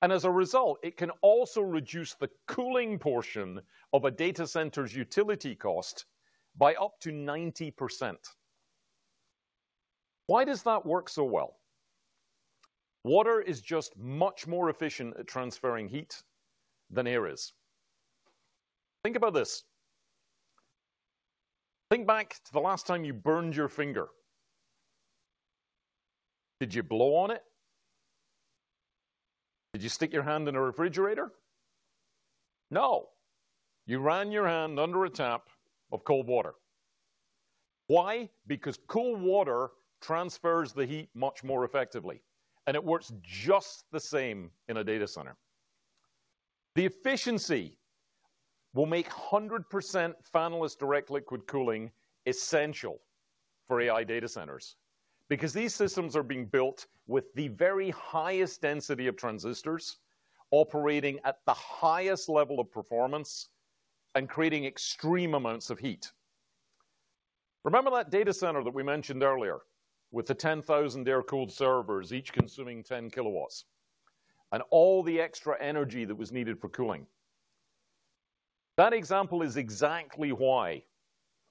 and as a result, it can also reduce the cooling portion of a data center's utility cost by up to 90%. Why does that work so well? Water is just much more efficient at transferring heat than air is. Think about this. Think back to the last time you burned your finger. Did you blow on it? Did you stick your hand in a refrigerator? No. You ran your hand under a tap of cold water. Why? Because cool water transfers the heat much more effectively, and it works just the same in a data center. The efficiency will make 100% fanless direct liquid cooling essential for AI data centers because these systems are being built with the very highest density of transistors, operating at the highest level of performance and creating extreme amounts of heat. Remember that data center that we mentioned earlier with the 10,000 air-cooled servers, each consuming 10 kW and all the extra energy that was needed for cooling? That example is exactly why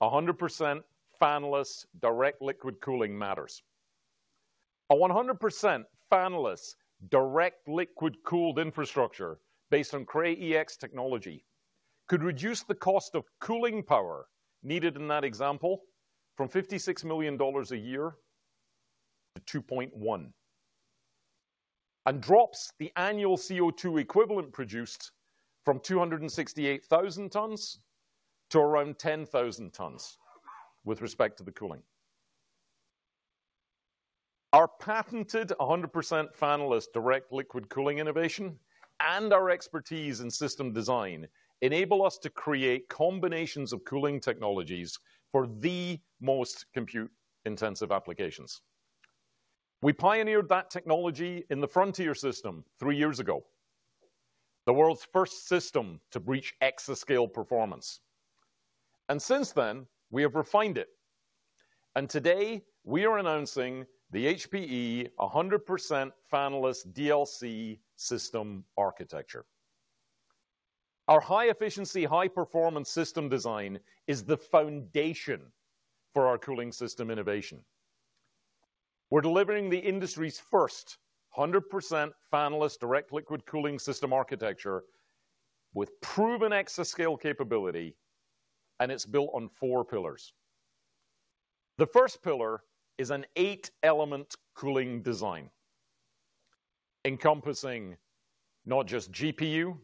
100% fanless direct liquid cooling matters. A 100% fanless direct liquid cooled infrastructure based on Cray EX technology could reduce the cost of cooling power needed in that example from $56 million a year to $2.1 million and drops the annual CO2 equivalent produced from 268,000 tons to around 10,000 tons with respect to the cooling. Our patented 100% fanless direct liquid cooling innovation and our expertise in system design enable us to create combinations of cooling technologies for the most compute-intensive applications. We pioneered that technology in the Frontier system three years ago, the world's first system to breach exascale performance. And since then, we have refined it. And today, we are announcing the HPE 100% fanless DLC system architecture. Our high-efficiency, high-performance system design is the foundation for our cooling system innovation. We're delivering the industry's first 100% fanless direct liquid cooling system architecture with proven exascale capability, and it's built on four pillars. The first pillar is an eight-element cooling design encompassing not just GPU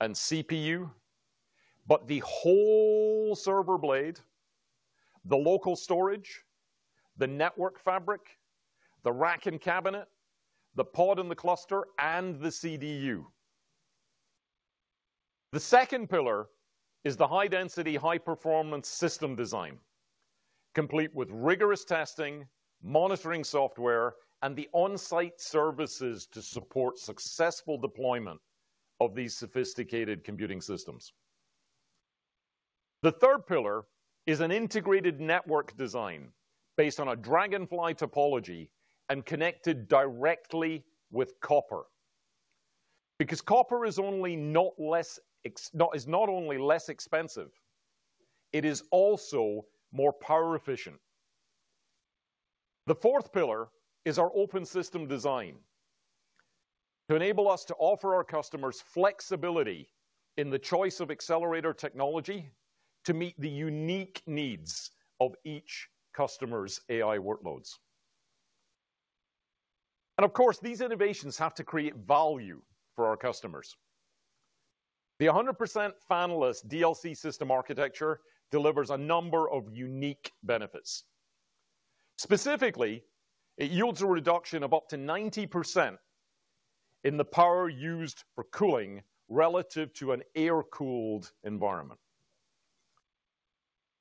and CPU, but the whole server blade, the local storage, the network fabric, the rack and cabinet, the pod and the cluster, and the CDU. The second pillar is the high-density, high-performance system design, complete with rigorous testing, monitoring software, and the on-site services to support successful deployment of these sophisticated computing systems. The third pillar is an integrated network design based on a Dragonfly topology and connected directly with copper because copper is not only less expensive, it is also more power-efficient. The fourth pillar is our open system design to enable us to offer our customers flexibility in the choice of accelerator technology to meet the unique needs of each customer's AI workloads. And of course, these innovations have to create value for our customers. The 100% fanless DLC system architecture delivers a number of unique benefits. Specifically, it yields a reduction of up to 90% in the power used for cooling relative to an air-cooled environment.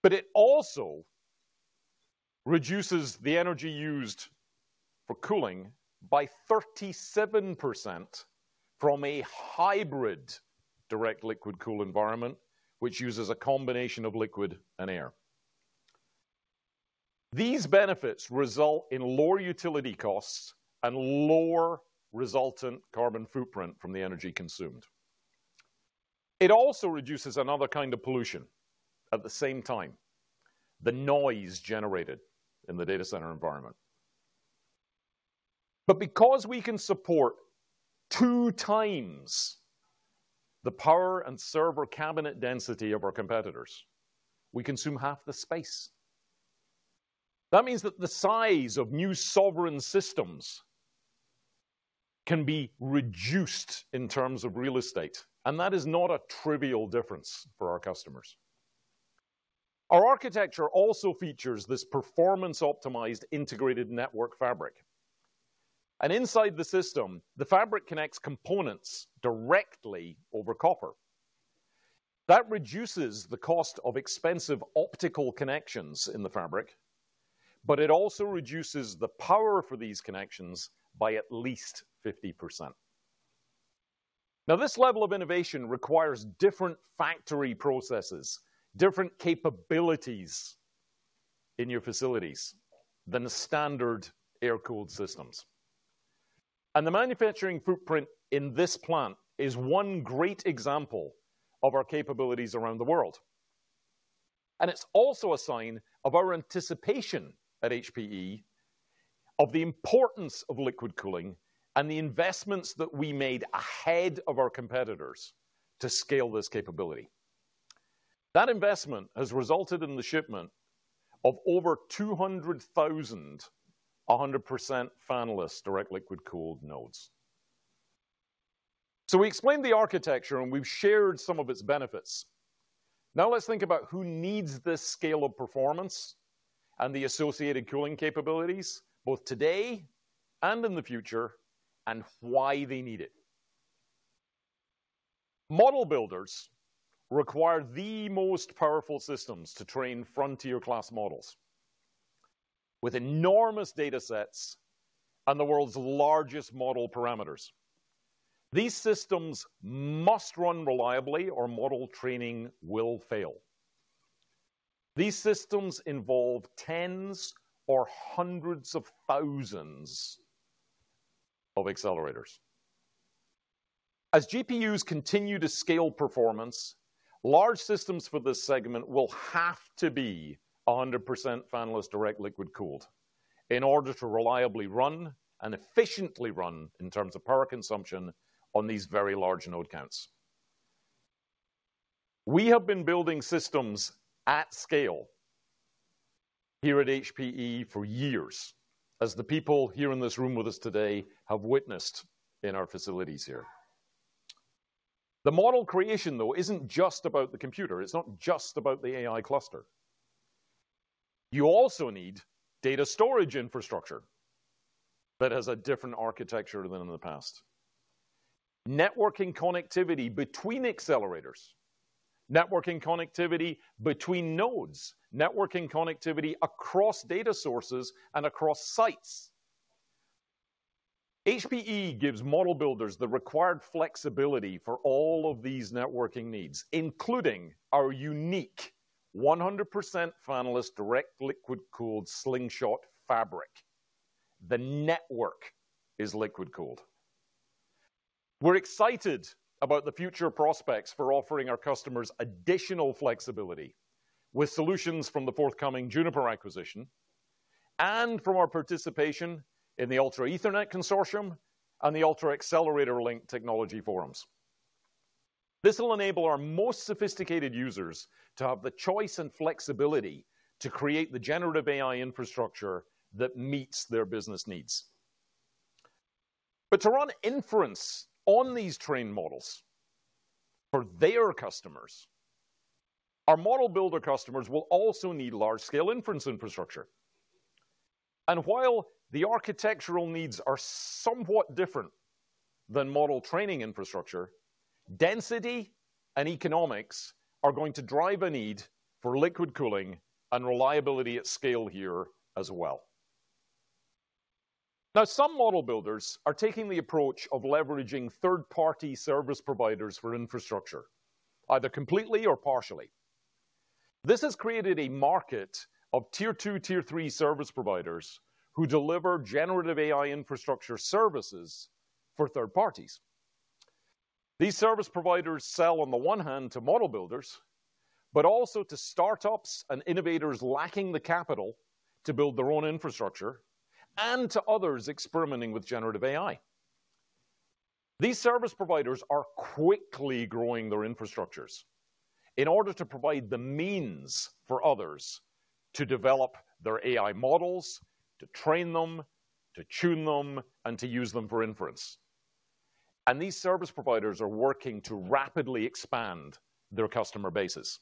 But it also reduces the energy used for cooling by 37% from a hybrid direct liquid cooling environment, which uses a combination of liquid and air. These benefits result in lower utility costs and lower resultant carbon footprint from the energy consumed. It also reduces another kind of pollution at the same time, the noise generated in the data center environment. But because we can support two times the power and server cabinet density of our competitors, we consume half the space. That means that the size of new sovereign systems can be reduced in terms of real estate, and that is not a trivial difference for our customers. Our architecture also features this performance-optimized integrated network fabric, and inside the system, the fabric connects components directly over copper. That reduces the cost of expensive optical connections in the fabric, but it also reduces the power for these connections by at least 50%. Now, this level of innovation requires different factory processes, different capabilities in your facilities than standard air-cooled systems, and the manufacturing footprint in this plant is one great example of our capabilities around the world, and it's also a sign of our anticipation at HPE of the importance of liquid cooling and the investments that we made ahead of our competitors to scale this capability. That investment has resulted in the shipment of over 200,000 100% fanless direct liquid cooled nodes. So we explained the architecture, and we've shared some of its benefits. Now let's think about who needs this scale of performance and the associated cooling capabilities both today and in the future and why they need it. model builders require the most powerful systems to train Frontier-class models with enormous data sets and the world's largest model parameters. These systems must run reliably or model training will fail. These systems involve tens or hundreds of thousands of accelerators. As GPUs continue to scale performance, large systems for this segment will have to be 100% fanless direct liquid cooled in order to reliably run and efficiently run in terms of power consumption on these very large node counts. We have been building systems at scale here at HPE for years, as the people here in this room with us today have witnessed in our facilities here. The model creation, though, isn't just about the computer. It's not just about the AI cluster. You also need data storage infrastructure that has a different architecture than in the past. Networking connectivity between accelerators, networking connectivity between nodes, networking connectivity across data sources and across sites. HPE gives model builders the required flexibility for all of these networking needs, including our unique 100% fanless direct-liquid-cooled Slingshot fabric. The network is liquid cooled. We're excited about the future prospects for offering our customers additional flexibility with solutions from the forthcoming Juniper acquisition and from our participation in the Ultra Ethernet Consortium and the Ultra Accelerator Link technology forums. This will enable our most sophisticated users to have the choice and flexibility to create the generative AI infrastructure that meets their business needs. But to run inference on these trained models for their customers, our model builder customers will also need large-scale inference infrastructure. And while the architectural needs are somewhat different than model training infrastructure, density and economics are going to drive a need for liquid cooling and reliability at scale here as well. Now, some model builders are taking the approach of leveraging third-party service providers for infrastructure, either completely or partially. This has created a market of tier two, tier three service providers who deliver generative AI infrastructure services for third parties. These service providers sell, on the one hand, to model builders, but also to startups and innovators lacking the capital to build their own infrastructure and to others experimenting with generative AI. These service providers are quickly growing their infrastructures in order to provide the means for others to develop their AI models, to train them, to tune them, and to use them for inference. And these service providers are working to rapidly expand their customer bases.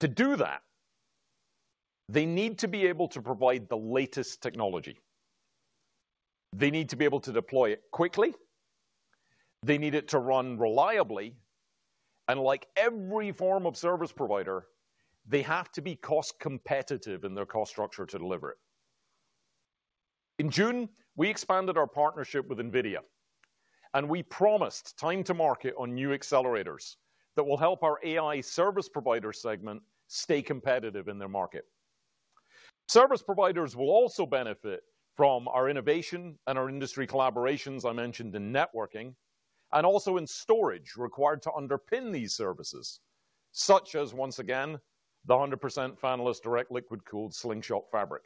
To do that, they need to be able to provide the latest technology. They need to be able to deploy it quickly. They need it to run reliably. And like every form of service provider, they have to be cost competitive in their cost structure to deliver it. In June, we expanded our partnership with NVIDIA, and we promised time to market on new accelerators that will help our AI service provider segment stay competitive in their market. Service providers will also benefit from our innovation and our industry collaborations I mentioned in networking and also in storage required to underpin these services, such as, once again, the 100% fanless direct liquid cooled Slingshot fabric.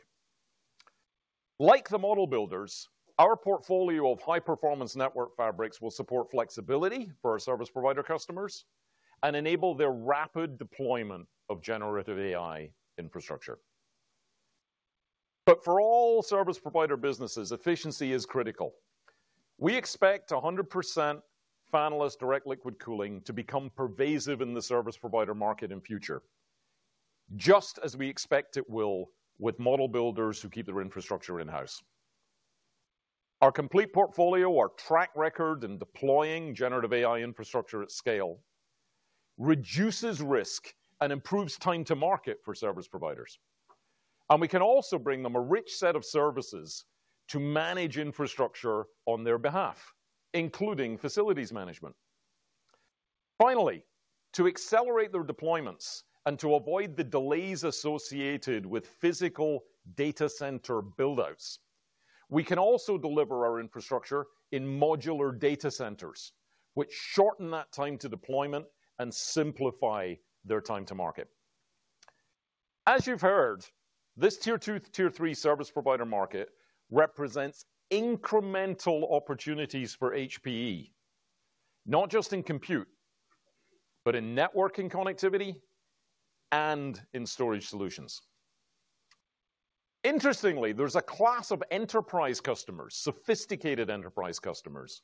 Like the model builders, our portfolio of high-performance network fabrics will support flexibility for our Service Provider customers and enable their rapid deployment of generative AI infrastructure. But for all Service Provider businesses, efficiency is critical. We expect 100% fanless direct liquid cooling to become pervasive in the Service Provider market in future, just as we expect it will with model builders who keep their infrastructure in-house. Our complete portfolio, our track record in deploying generative AI infrastructure at scale, reduces risk and improves time to market for service providers. And we can also bring them a rich set of services to manage infrastructure on their behalf, including facilities management. Finally, to accelerate their deployments and to avoid the delays associated with physical data center buildouts, we can also deliver our infrastructure in modular data centers, which shorten that time to deployment and simplify their time to market. As you've heard, this tier two, tier three service provider market represents incremental opportunities for HPE, not just in compute, but in networking connectivity and in storage solutions. Interestingly, there's a class of enterprise customers, sophisticated enterprise customers,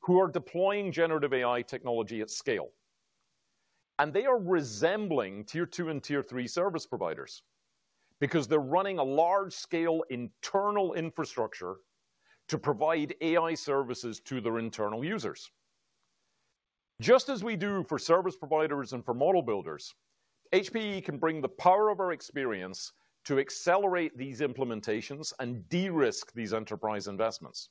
who are deploying generative AI technology at scale, and they are resembling tier two and tier three service providers because they're running a large-scale internal infrastructure to provide AI services to their internal users. Just as we do for service providers and for model builders, HPE can bring the power of our experience to accelerate these implementations and de-risk these enterprise investments.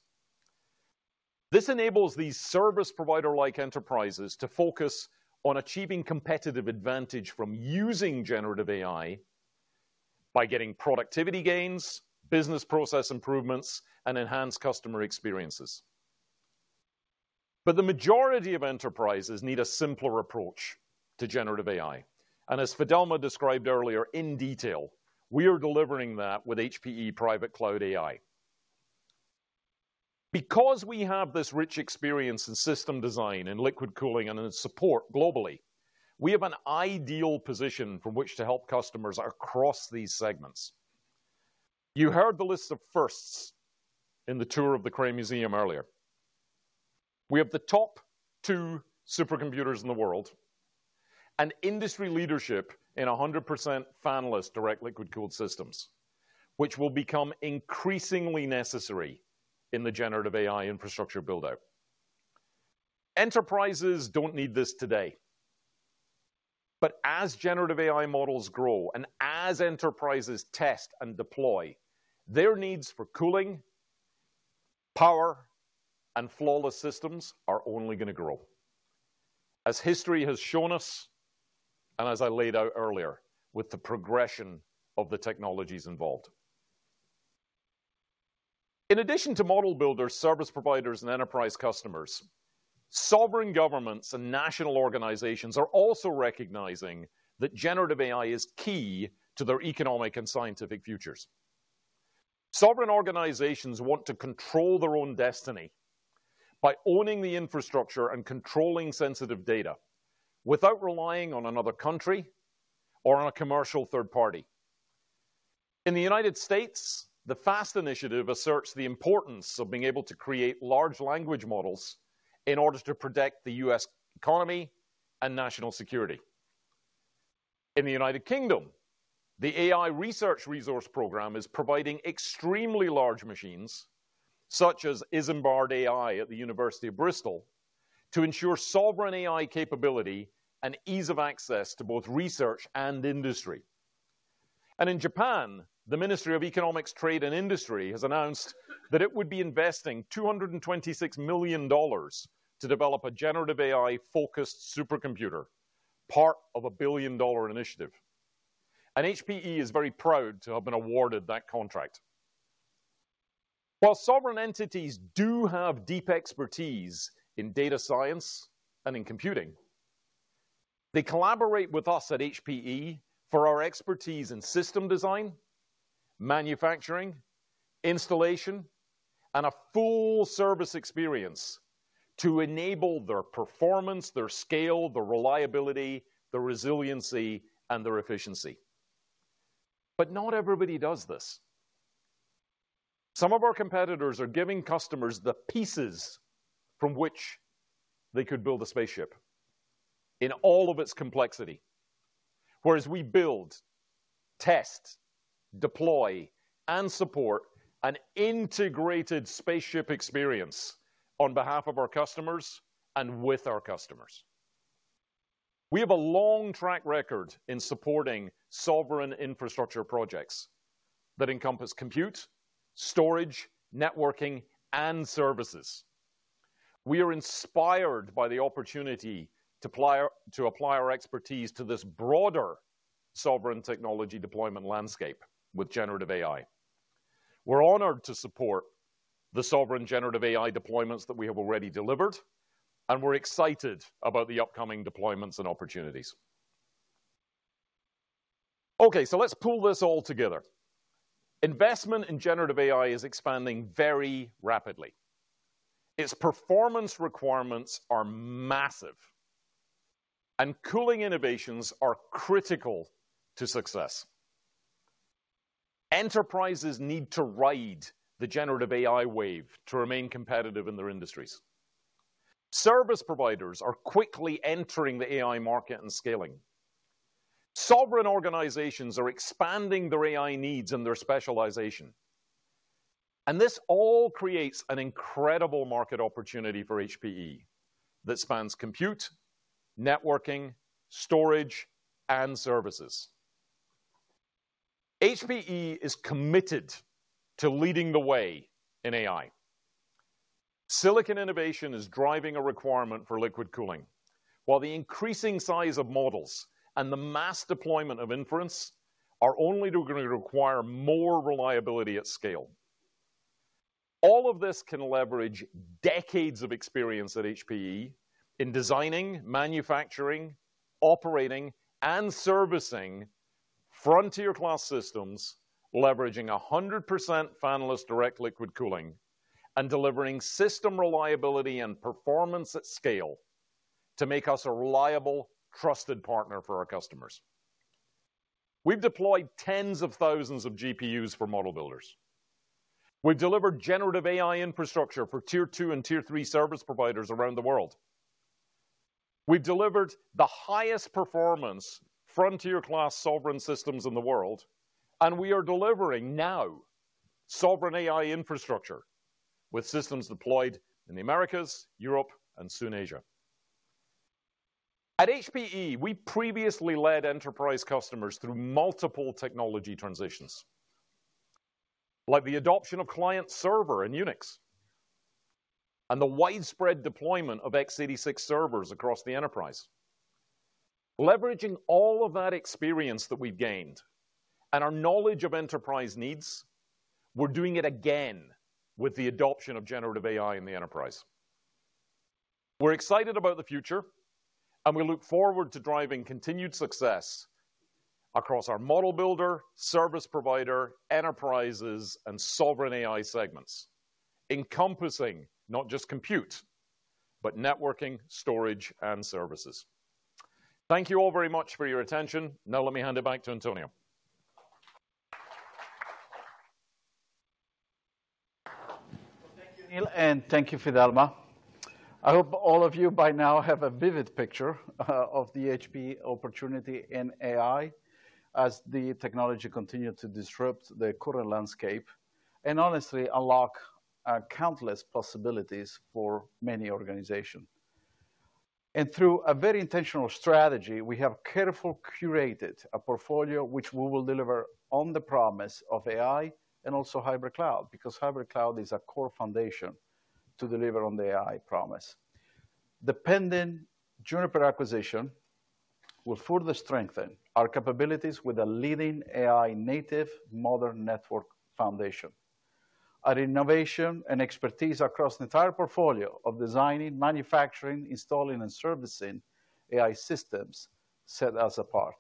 This enables these service provider-like enterprises to focus on achieving competitive advantage from using generative AI by getting productivity gains, business process improvements, and enhanced customer experiences. But the majority of enterprises need a simpler approach to generative AI. And as Fidelma described earlier in detail, we are delivering that with HPE Private Cloud AI. Because we have this rich experience in system design and liquid cooling and in support globally, we have an ideal position from which to help customers across these segments. You heard the list of firsts in the tour of the Cray Museum earlier. We have the top two supercomputers in the world and industry leadership in 100% fanless direct liquid cooled systems, which will become increasingly necessary in the generative AI infrastructure buildout. Enterprises don't need this today. But as generative AI models grow and as enterprises test and deploy, their needs for cooling, power, and flawless systems are only going to grow, as history has shown us and as I laid out earlier with the progression of the technologies involved. In addition to model builders, service providers, and enterprise customers, sovereign governments and national organizations are also recognizing that generative AI is key to their economic and scientific futures. Sovereign organizations want to control their own destiny by owning the infrastructure and controlling sensitive data without relying on another country or on a commercial third party. In the United States, the FAST initiative asserts the importance of being able to create large language models in order to protect the U.S. economy and national security. In the United Kingdom, the AI Research Resource Program is providing extremely large machines, such as Isambard-AI at the University of Bristol, to ensure sovereign AI capability and ease of access to both research and industry. In Japan, the Ministry of Economy, Trade and Industry has announced that it would be investing $226 million to develop a generative AI-focused supercomputer, part of a billion-dollar initiative. HPE is very proud to have been awarded that contract. While sovereign entities do have deep expertise in data science and in computing, they collaborate with us at HPE for our expertise in system design, manufacturing, installation, and a full service experience to enable their performance, their scale, the reliability, the resiliency, and their efficiency. Not everybody does this. Some of our competitors are giving customers the pieces from which they could build a spaceship in all of its complexity, whereas we build, test, deploy, and support an integrated spaceship experience on behalf of our customers and with our customers. We have a long track record in supporting sovereign infrastructure projects that encompass compute, storage, networking, and services. We are inspired by the opportunity to apply our expertise to this broader sovereign technology deployment landscape with generative AI. We're honored to support the sovereign generative AI deployments that we have already delivered, and we're excited about the upcoming deployments and opportunities. Okay, so let's pull this all together. Investment in generative AI is expanding very rapidly. Its performance requirements are massive, and cooling innovations are critical to success. Enterprises need to ride the generative AI wave to remain competitive in their industries. Service providers are quickly entering the AI market and scaling. Sovereign organizations are expanding their AI needs and their specialization. And this all creates an incredible market opportunity for HPE that spans compute, networking, storage, and services. HPE is committed to leading the way in AI. Silicon innovation is driving a requirement for liquid cooling, while the increasing size of models and the mass deployment of inference are only going to require more reliability at scale. All of this can leverage decades of experience at HPE in designing, manufacturing, operating, and servicing Frontier-class systems, leveraging 100% fanless direct liquid cooling and delivering system reliability and performance at scale to make us a reliable, trusted partner for our customers. We've deployed tens of thousands of GPUs for model builders. We've delivered generative AI infrastructure for tier two and tier three service providers around the world. We've delivered the highest performance Frontier-class sovereign systems in the world, and we are delivering now sovereign AI infrastructure with systems deployed in the Americas, Europe, and soon Asia. At HPE, we previously led enterprise customers through multiple technology transitions, like the adoption of client-server in Unix and the widespread deployment of x86 servers across the enterprise. Leveraging all of that experience that we've gained and our knowledge of enterprise needs, we're doing it again with the adoption of generative AI in the enterprise. We're excited about the future, and we look forward to driving continued success across our model builder, service provider, enterprises, and sovereign AI segments, encompassing not just compute, but networking, storage, and services. Thank you all very much for your attention. Now, let me hand it back to Antonio. Well, thank you, Neil, and thank you, Fidelma. I hope all of you by now have a vivid picture of the HPE opportunity in AI as the technology continues to disrupt the current landscape and honestly unlock countless possibilities for many organizations. And through a very intentional strategy, we have carefully curated a portfolio which we will deliver on the promise of AI and also hybrid cloud because hybrid cloud is a core foundation to deliver on the AI promise. The pending Juniper acquisition will further strengthen our capabilities with a leading AI native modern network foundation. Our innovation and expertise across the entire portfolio of designing, manufacturing, installing, and servicing AI systems set us apart.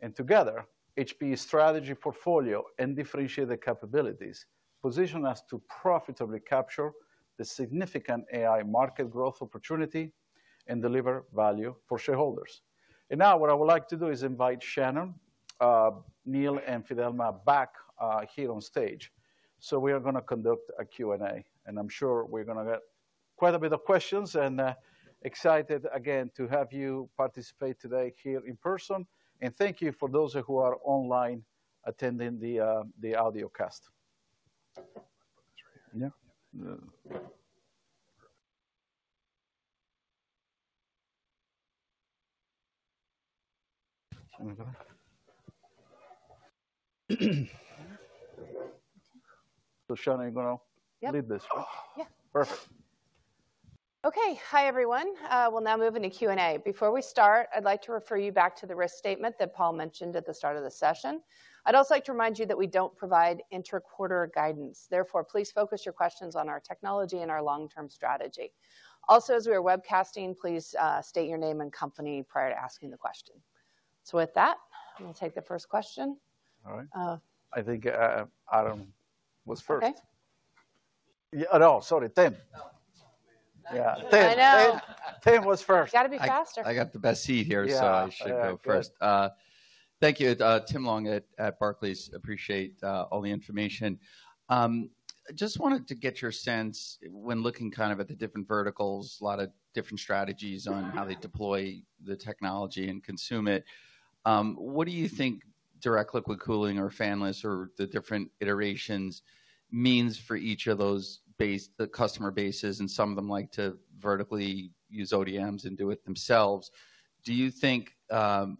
And together, HPE's strategy, portfolio, and differentiated capabilities position us to profitably capture the significant AI market growth opportunity and deliver value for shareholders. And now, what I would like to do is invite Shannon, Neil, and Fidelma back here on stage. So, we are going to conduct a Q&A, and I'm sure we're going to get quite a bit of questions. And excited again to have you participate today here in person. And thank you for those who are online attending the audio cast. So, Shannon, you're going to lead this one. Yeah. Perfect. Okay. Hi, everyone. We'll now move into Q&A. Before we start, I'd like to refer you back to the risk statement that Paul mentioned at the start of the session. I'd also like to remind you that we don't provide interquarter guidance. Therefore, please focus your questions on our technology and our long-term strategy. Also, as we are webcasting, please state your name and company prior to asking the question. So, with that, we'll take the first question. [CROSSTALK] You got to be faster. I got the best seat here, so I should go first. Thank you. Tim Long at Barclays. Appreciate all the information. Just wanted to get your sense when looking kind of at the different verticals, a lot of different strategies on how they deploy the technology and consume it. What do you think direct liquid cooling or fanless or the different iterations means for each of those customer bases? And some of them like to vertically use ODMs and do it themselves. Do you think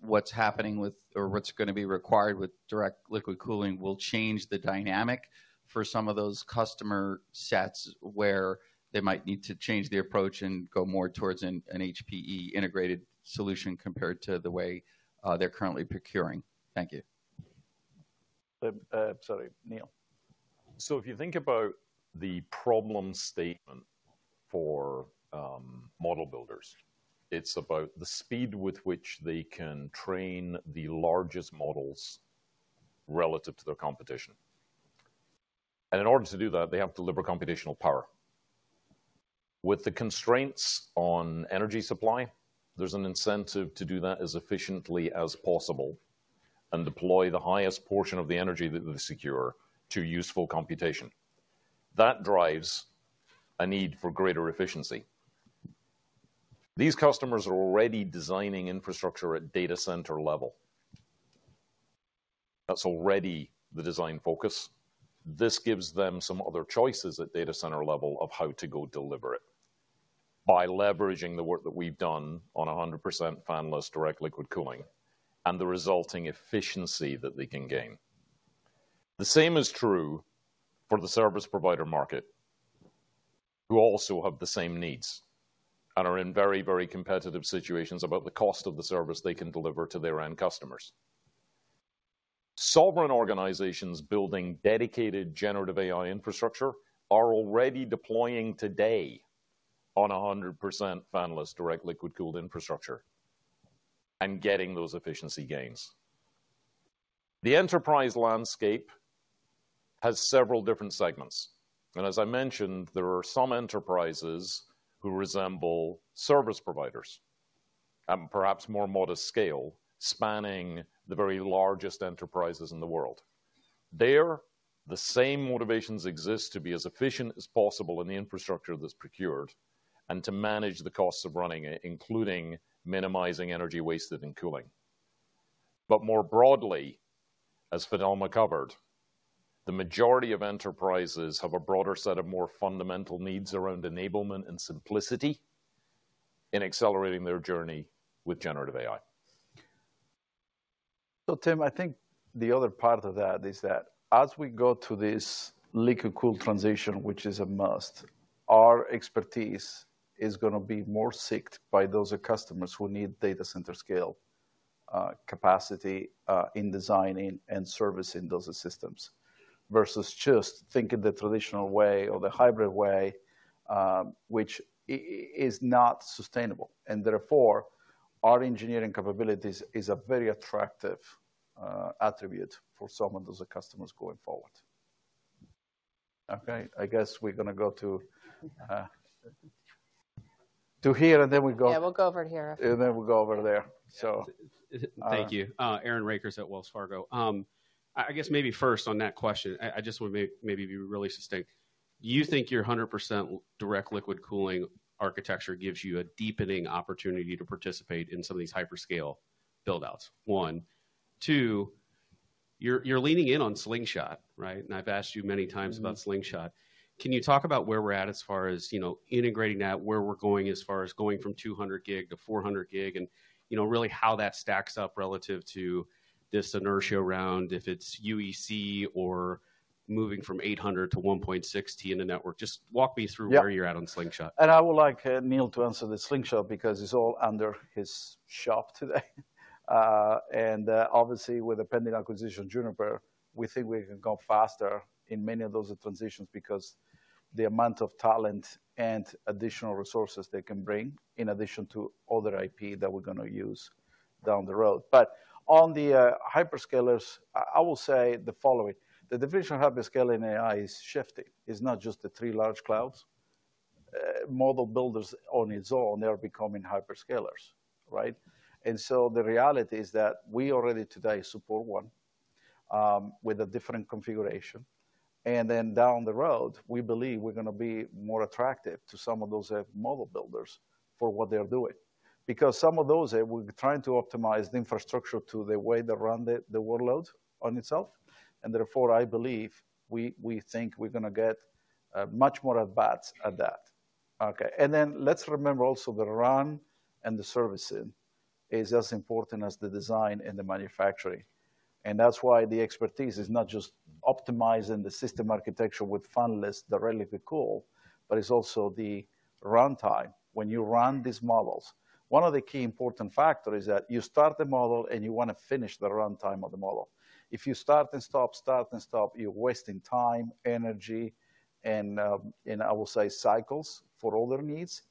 what's happening with or what's going to be required with direct liquid cooling will change the dynamic for some of those customer sets where they might need to change the approach and go more towards an HPE integrated solution compared to the way they're currently procuring? Thank you. Sorry, Neil? So if you think about the problem statement for model builders, it's about the speed with which they can train the largest models relative to their competition. And in order to do that, they have to deliver computational power. With the constraints on energy supply, there's an incentive to do that as efficiently as possible and deploy the highest portion of the energy that they secure to useful computation. That drives a need for greater efficiency. These customers are already designing infrastructure at data center level. That's already the design focus. This gives them some other choices at data center level of how to go deliver it by leveraging the work that we've done on 100% fanless direct liquid cooling and the resulting efficiency that they can gain. The same is true for the service provider market, who also have the same needs and are in very, very competitive situations about the cost of the service they can deliver to their end customers. Sovereign organizations building dedicated generative AI infrastructure are already deploying today on 100% fanless direct liquid cooled infrastructure and getting those efficiency gains. The enterprise landscape has several different segments, and as I mentioned, there are some enterprises who resemble service providers at perhaps more modest scale, spanning the very largest enterprises in the world. There, the same motivations exist to be as efficient as possible in the infrastructure that's procured and to manage the costs of running, including minimizing energy wasted in cooling, but more broadly, as Fidelma covered, the majority of enterprises have a broader set of more fundamental needs around enablement and simplicity in accelerating their journey with generative AI. So Tim, I think the other part of that is that as we go to this liquid cooling transition, which is a must, our expertise is going to be more sought by those customers who need data-center-scale capacity in designing and servicing those systems versus just thinking the traditional way or the hybrid way, which is not sustainable. And therefore, our engineering capabilities is a very attractive attribute for some of those customers going forward. Okay. I guess we're going to go to here, and then we go. Yeah, we'll go over here. And then we'll go over there. So. Thank you. Aaron Rakers at Wells Fargo. I guess maybe first on that question, I just want to maybe be really succinct. You think your 100% direct liquid cooling architecture gives you a deepening opportunity to participate in some of these hyperscale buildouts? One. Two, you're leaning in on Slingshot, right? And I've asked you many times about Slingshot. Can you talk about where we're at as far as integrating that, where we're going as far as going from 200G-400G, and really how that stacks up relative to this inertia around if it's UEC or moving from 800-1.6T in the network? Just walk me through where you're at on Slingshot. And I would like Neil to answer the Slingshot because it's all under his shop today. And obviously, with the pending acquisition of Juniper, we think we can go faster in many of those transitions because the amount of talent and additional resources they can bring in addition to other IP that we're going to use down the road. But on the hyperscalers, I will say the following. The definition of hyperscaler AI is shifting. It's not just the three large clouds. model builders on its own, they're becoming hyperscalers, right? And so the reality is that we already today support one with a different configuration. And then down the road, we believe we're going to be more attractive to some of those model builders for what they're doing because some of those are trying to optimize the infrastructure to the way they run the workloads on itself. And therefore, I believe we think we're going to get much more advanced at that. Okay. And then let's remember also the run and the servicing is as important as the design and the manufacturing. And that's why the expertise is not just optimizing the system architecture with fanless direct liquid cooling, but it's also the runtime. When you run these models, one of the key important factors is that you start the model and you want to finish the runtime of the model. If you start and stop, start and stop, you're wasting time, energy, and I will say cycles for all their needs.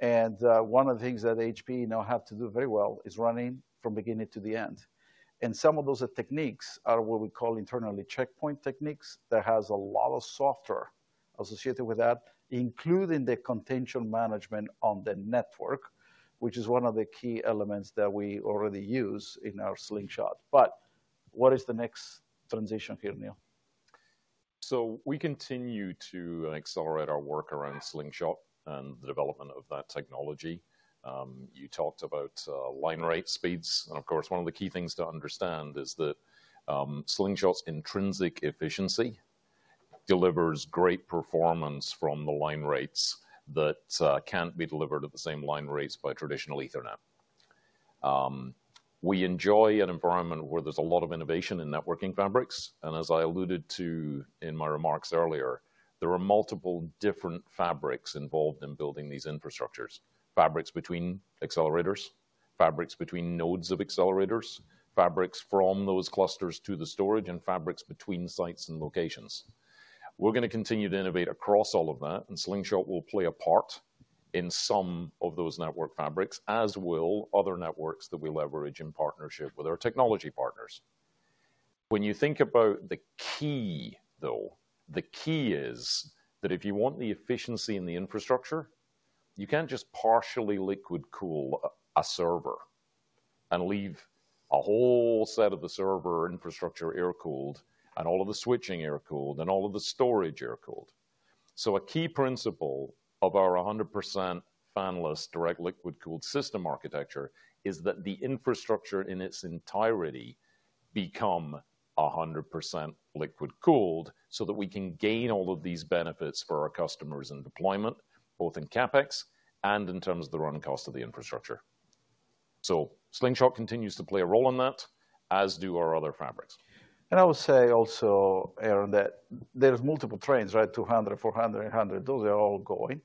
And one of the things that HPE now have to do very well is running from beginning to the end. And some of those techniques are what we call internally checkpoint techniques. That has a lot of software associated with that, including the contention management on the network, which is one of the key elements that we already use in our Slingshot. But what is the next transition here, Neil? So we continue to accelerate our work around Slingshot and the development of that technology. You talked about line rate speeds. And of course, one of the key things to understand is that Slingshot's intrinsic efficiency delivers great performance from the line rates that can't be delivered at the same line rates by traditional Ethernet. We enjoy an environment where there's a lot of innovation in networking fabrics. And as I alluded to in my remarks earlier, there are multiple different fabrics involved in building these infrastructures: fabrics between accelerators, fabrics between nodes of accelerators, fabrics from those clusters to the storage, and fabrics between sites and locations. We're going to continue to innovate across all of that, and Slingshot will play a part in some of those network fabrics, as will other networks that we leverage in partnership with our technology partners. When you think about the key, though, the key is that if you want the efficiency in the infrastructure, you can't just partially liquid cool a server and leave a whole set of the server infrastructure air-cooled and all of the switching air-cooled and all of the storage air-cooled. So a key principle of our 100% fanless direct liquid cooled system architecture is that the infrastructure in its entirety become 100% liquid cooled so that we can gain all of these benefits for our customers and deployment, both in CapEx and in terms of the run cost of the infrastructure. So Slingshot continues to play a role in that, as do our other fabrics. And I will say also, Aaron, that there's multiple trains, right? 200, 400, and 100. Those are all going.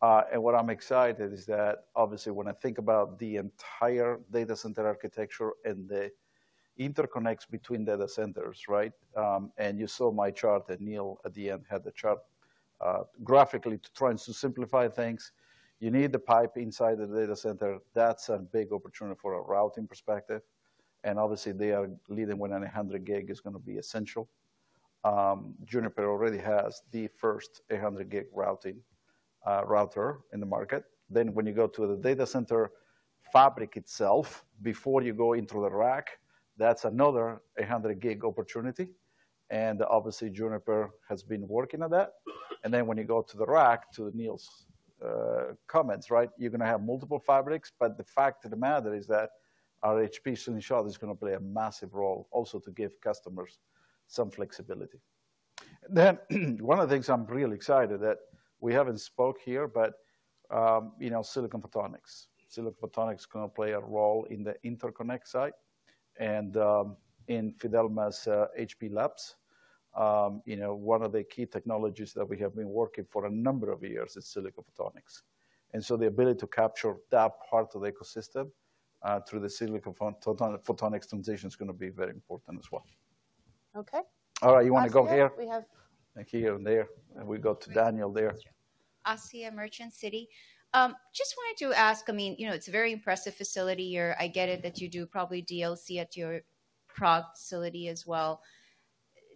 And what I'm excited is that obviously when I think about the entire data center architecture and the interconnects between data centers, right? And you saw my chart, and Neil at the end had the chart graphically to try and simplify things. You need the pipe inside the data center. That's a big opportunity for a routing perspective. And obviously, they are leading when 100G is going to be essential. Juniper already has the first 100G router in the market. Then when you go to the data center fabric itself, before you go into the rack, that's another 100G opportunity. And obviously, Juniper has been working on that. And then when you go to the rack, to Neil's comments, right, you're going to have multiple fabrics. But the fact of the matter is that our HPE Slingshot is going to play a massive role also to give customers some flexibility. Then one of the things I'm really excited that we haven't spoke here, but silicon photonics. Silicon photonics is going to play a role in the interconnect side and in Fidelma's HPE Labs. One of the key technologies that we have been working for a number of years is silicon photonics. And so the ability to capture that part of the ecosystem through the silicon photonics transition is going to be very important as well. Okay. All right. You want to go here? We have here and there. We go to Daniel there. Asiya Merchant, Citi. Just wanted to ask, I mean, it's a very impressive facility here. I get it that you do probably DLC at your Prague facility as well.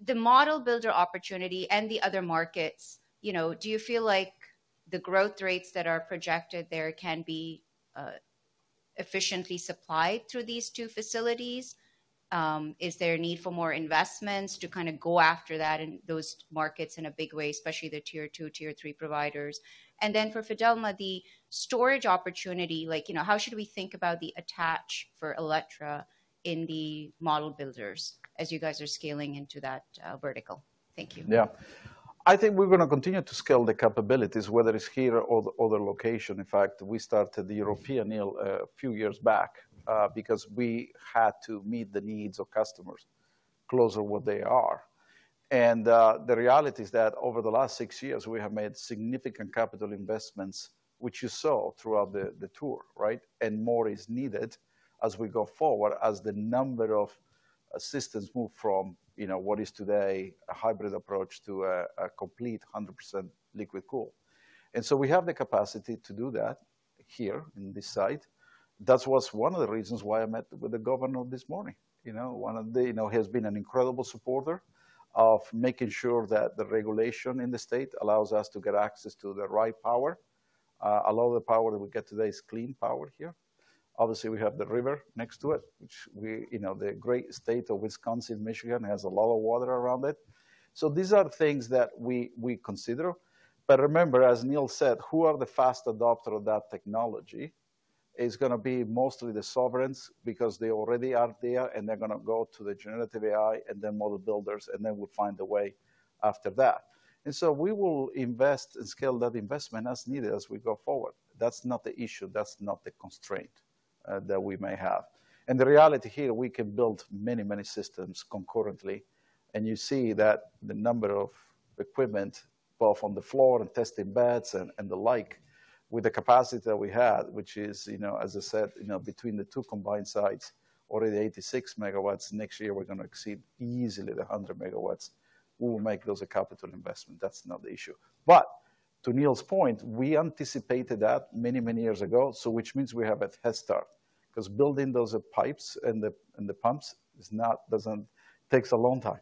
The model builder opportunity and the other markets, do you feel like the growth rates that are projected there can be efficiently supplied through these two facilities? Is there a need for more investments to kind of go after that in those markets in a big way, especially the tier two, tier three providers? And then for Fidelma, the storage opportunity, how should we think about the attach for Alletra in the model builders as you guys are scaling into that vertical? Thank you. Yeah. I think we're going to continue to scale the capabilities, whether it's here or the other location. In fact, we started the European, Neil, a few years back because we had to meet the needs of customers closer to what they are. And the reality is that over the last six years, we have made significant capital investments, which you saw throughout the tour, right? More is needed as we go forward as the number of systems move from what is today a hybrid approach to a complete 100% liquid-cooled. We have the capacity to do that here in this site. That was one of the reasons why I met with the governor this morning. He has been an incredible supporter of making sure that the regulation in the state allows us to get access to the right power. A lot of the power that we get today is clean power here. Obviously, we have the river next to it, which the great states of Wisconsin and Michigan have a lot of water around them. These are things that we consider. Remember, as Neil said, who are the fast adopters of that technology? It's going to be mostly the sovereigns because they already are there and they're going to go to the generative AI and then model builders and then we'll find a way after that. And so we will invest and scale that investment as needed as we go forward. That's not the issue. That's not the constraint that we may have. And the reality here, we can build many, many systems concurrently. And you see that the number of equipment, both on the floor and testing beds and the like, with the capacity that we have, which is, as I said, between the two combined sites, already 86 MW. Next year, we're going to exceed easily the 100 MW. We will make those a capital investment. That's not the issue. But to Neil's point, we anticipated that many, many years ago, which means we have a head start because building those pipes and the pumps takes a long time.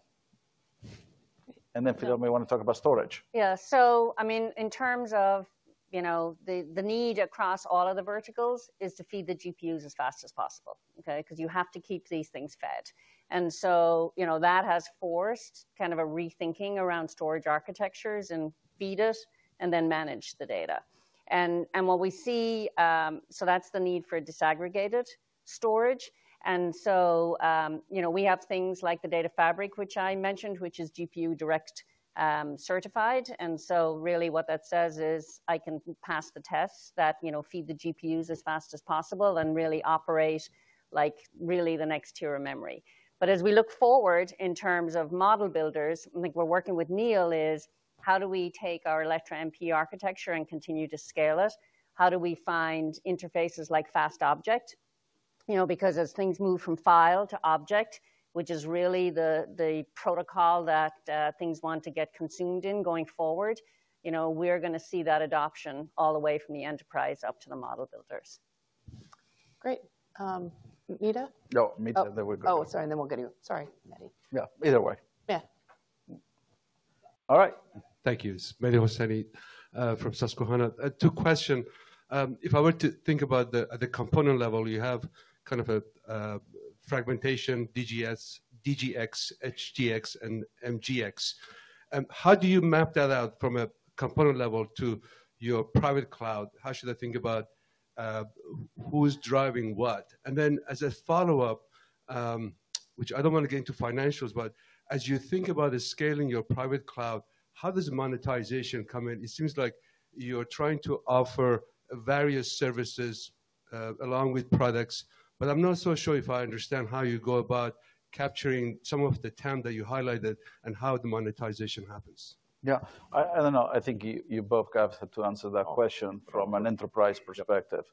And then Fidelma, you want to talk about storage? Yeah. So I mean, in terms of the need across all of the verticals is to feed the GPUs as fast as possible, okay? Because you have to keep these things fed. And so that has forced kind of a rethinking around storage architectures and feed it and then manage the data. And what we see, so that's the need for disaggregated storage. And so we have things like the data fabric, which I mentioned, which is GPUDirect certified. And so really what that says is I can pass the tests that feed the GPUs as fast as possible and really operate like really the next tier of memory. But as we look forward in terms of model builders, I think we're working with Neil is how do we take our Alletra MP architecture and continue to scale it? How do we find interfaces like fast object? Because as things move from file to object, which is really the protocol that things want to get consumed in going forward, we're going to see that adoption all the way from the enterprise up to the model builders. Great. Meta? No, Meta. Oh, sorry. Then we'll get you. Sorry, Mehdi. Yeah. Either way. Yeah. All right. Thank you. Mehdi Hosseini from Susquehanna. Two questions. If I were to think about the component level, you have kind of a fragmentation, EGX, DGX, HGX, and MGX. How do you map that out from a component level to your private cloud? How should I think about who's driving what? And then as a follow-up, which I don't want to get into financials, but as you think about scaling your private cloud, how does monetization come in? It seems like you're trying to offer various services along with products, but I'm not so sure if I understand how you go about capturing some of the time that you highlighted and how the monetization happens. Yeah. I don't know. I think you both have to answer that question from an enterprise perspective.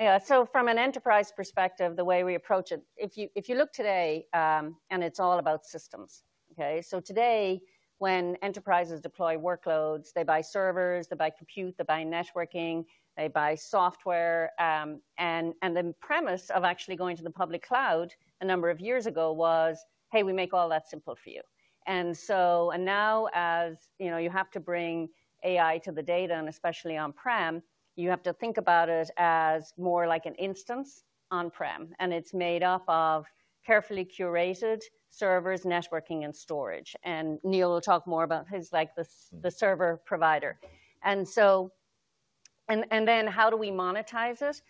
Yeah. So from an enterprise perspective, the way we approach it, if you look today, and it's all about systems, okay? So today, when enterprises deploy workloads, they buy servers, they buy compute, they buy networking, they buy software. And the premise of actually going to the public cloud a number of years ago was, hey, we make all that simple for you. And now, as you have to bring AI to the data, and especially on-prem, you have to think about it as more like an instance on-prem. And it's made up of carefully curated servers, networking, and storage. And Neil will talk more about the server provider. And then how do we monetize it?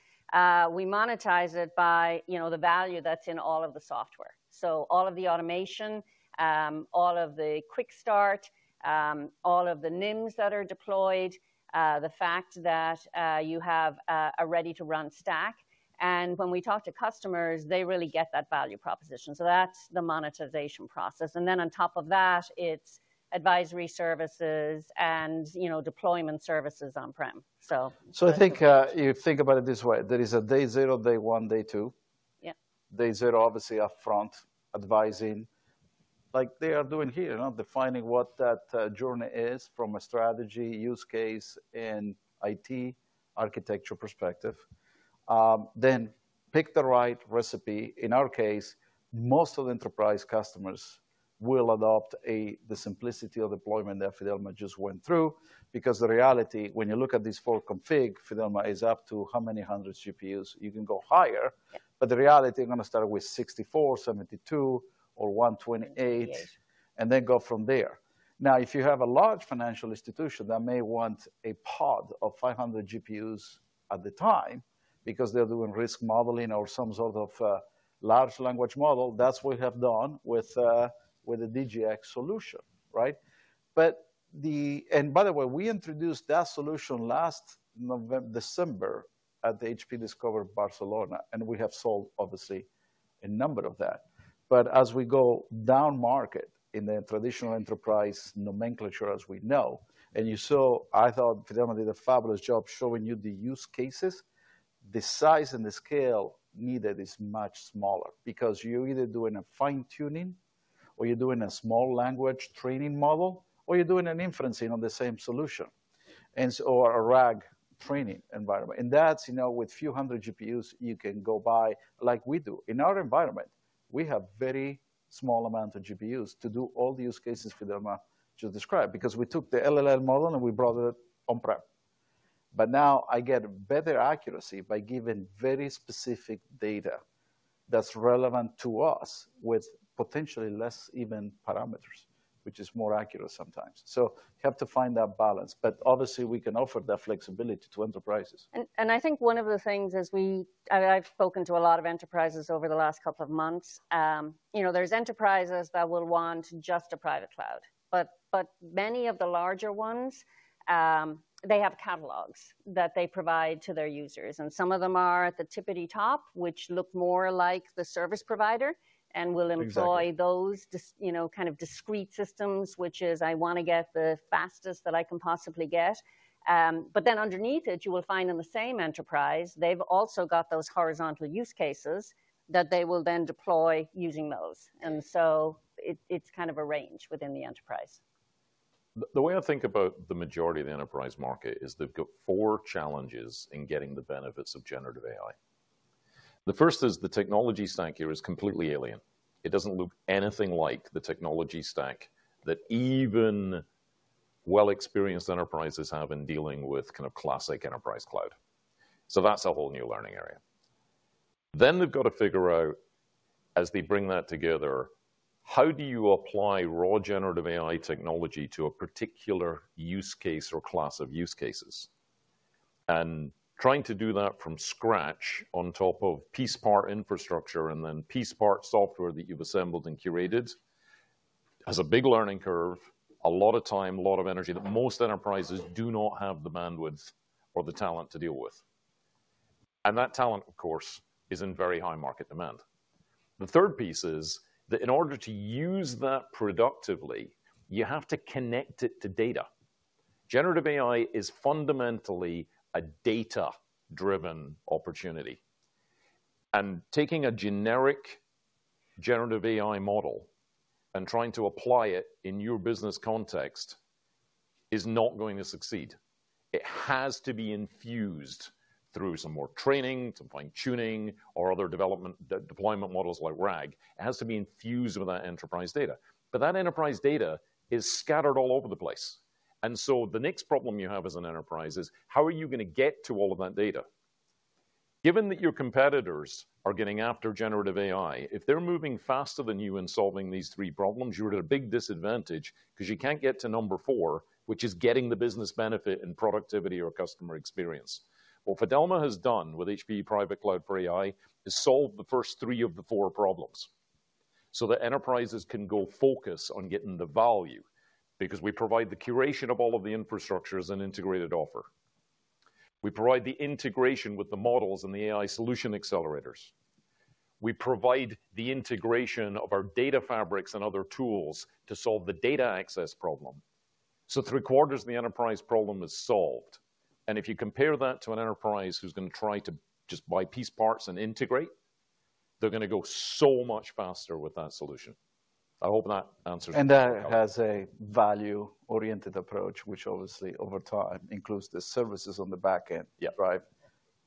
We monetize it by the value that's in all of the software. So all of the automation, all of the quick start, all of the NIMs that are deployed, the fact that you have a ready-to-run stack. And when we talk to customers, they really get that value proposition. So that's the monetization process. And then on top of that, it's advisory services and deployment services on-prem. So I think you think about it this way. There is a day zero, day one, day two. Day zero, obviously, upfront advising, like they are doing here, defining what that journey is from a strategy, use case, and IT architecture perspective. Then pick the right recipe. In our case, most of the enterprise customers will adopt the simplicity of deployment that Fidelma just went through because the reality, when you look at these four config, Fidelma is up to how many hundreds of GPUs? You can go higher, but the reality is going to start with 64, 72, or 128, and then go from there. Now, if you have a large financial institution that may want a pod of 500 GPUs at the time because they're doing risk modeling or some sort of large language model, that's what we have done with the DGX solution, right? By the way, we introduced that solution last December at the HPE Discover Barcelona, and we have sold, obviously, a number of that. But as we go down market in the traditional enterprise nomenclature, as we know, and you saw, I thought Fidelma did a fabulous job showing you the use cases. The size and the scale needed is much smaller because you're either doing a fine-tuning or you're doing a small language training model or you're doing an inferencing on the same solution or a RAG training environment. That's with a few hundred GPUs you can go buy like we do. In our environment, we have a very small amount of GPUs to do all the use cases Fidelma just described because we took the LLM model and we brought it on-prem. But now I get better accuracy by giving very specific data that's relevant to us with potentially less even parameters, which is more accurate sometimes. So you have to find that balance, but obviously, we can offer that flexibility to enterprises. And I think one of the things is I've spoken to a lot of enterprises over the last couple of months. There's enterprises that will want just a private cloud, but many of the larger ones, they have catalogs that they provide to their users. And some of them are at the tippity-top, which look more like the service provider and will employ those kind of discrete systems, which is I want to get the fastest that I can possibly get. But then underneath it, you will find in the same enterprise, they've also got those horizontal use cases that they will then deploy using those. And so it's kind of a range within the enterprise. The way I think about the majority of the enterprise market is they've got four challenges in getting the benefits of generative AI. The first is the technology stack here is completely alien. It doesn't look anything like the technology stack that even well-experienced enterprises have in dealing with kind of classic enterprise cloud. So that's a whole new learning area. Then they've got to figure out, as they bring that together, how do you apply raw generative AI technology to a particular use case or class of use cases? And trying to do that from scratch on top of piece-part infrastructure and then piece-part software that you've assembled and curated has a big learning curve, a lot of time, a lot of energy that most enterprises do not have the bandwidth or the talent to deal with. That talent, of course, is in very high market demand. The third piece is that in order to use that productively, you have to connect it to data. Generative AI is fundamentally a data-driven opportunity. Taking a generic generative AI model and trying to apply it in your business context is not going to succeed. It has to be infused through some more training, some fine-tuning, or other development deployment models like RAG. It has to be infused with that enterprise data. That enterprise data is scattered all over the place. So the next problem you have as an enterprise is how are you going to get to all of that data? Given that your competitors are getting after generative AI, if they're moving faster than you in solving these three problems, you're at a big disadvantage because you can't get to number four, which is getting the business benefit and productivity or customer experience. What Fidelma has done with HPE Private Cloud AI is solve the first three of the four problems so that enterprises can go focus on getting the value because we provide the curation of all of the infrastructures and integrated offer. We provide the integration with the models and the AI Solution Accelerators. We provide the integration of our Data Fabrics and other tools to solve the data access problem. So three quarters of the enterprise problem is solved. And if you compare that to an enterprise who's going to try to just buy piece parts and integrate, they're going to go so much faster with that solution. I hope that answers your question. And that has a value-oriented approach, which obviously over time includes the services on the back end, right?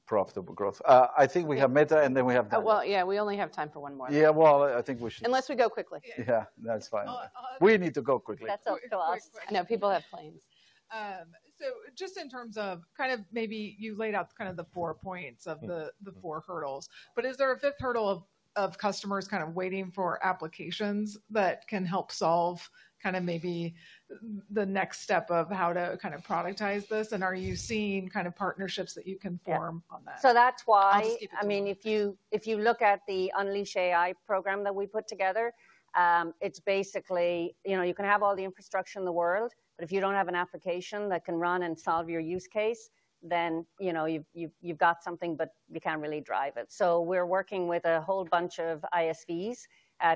Profitable growth. I think we have Meta, and then we have the. Well, yeah, we only have time for one more. Yeah, well, I think we should. Unless we go quickly. Yeah, that's fine. We need to go quickly. That's up to us. I know people have planes. So just in terms of kind of maybe you laid out kind of the four points of the four hurdles, but is there a fifth hurdle of customers kind of waiting for applications that can help solve kind of maybe the next step of how to kind of productize this? And are you seeing kind of partnerships that you can form on that? So that's why, I mean, if you look at the Unleash AI program that we put together, it's basically you can have all the infrastructure in the world, but if you don't have an application that can run and solve your use case, then you've got something, but you can't really drive it. So we're working with a whole bunch of ISVs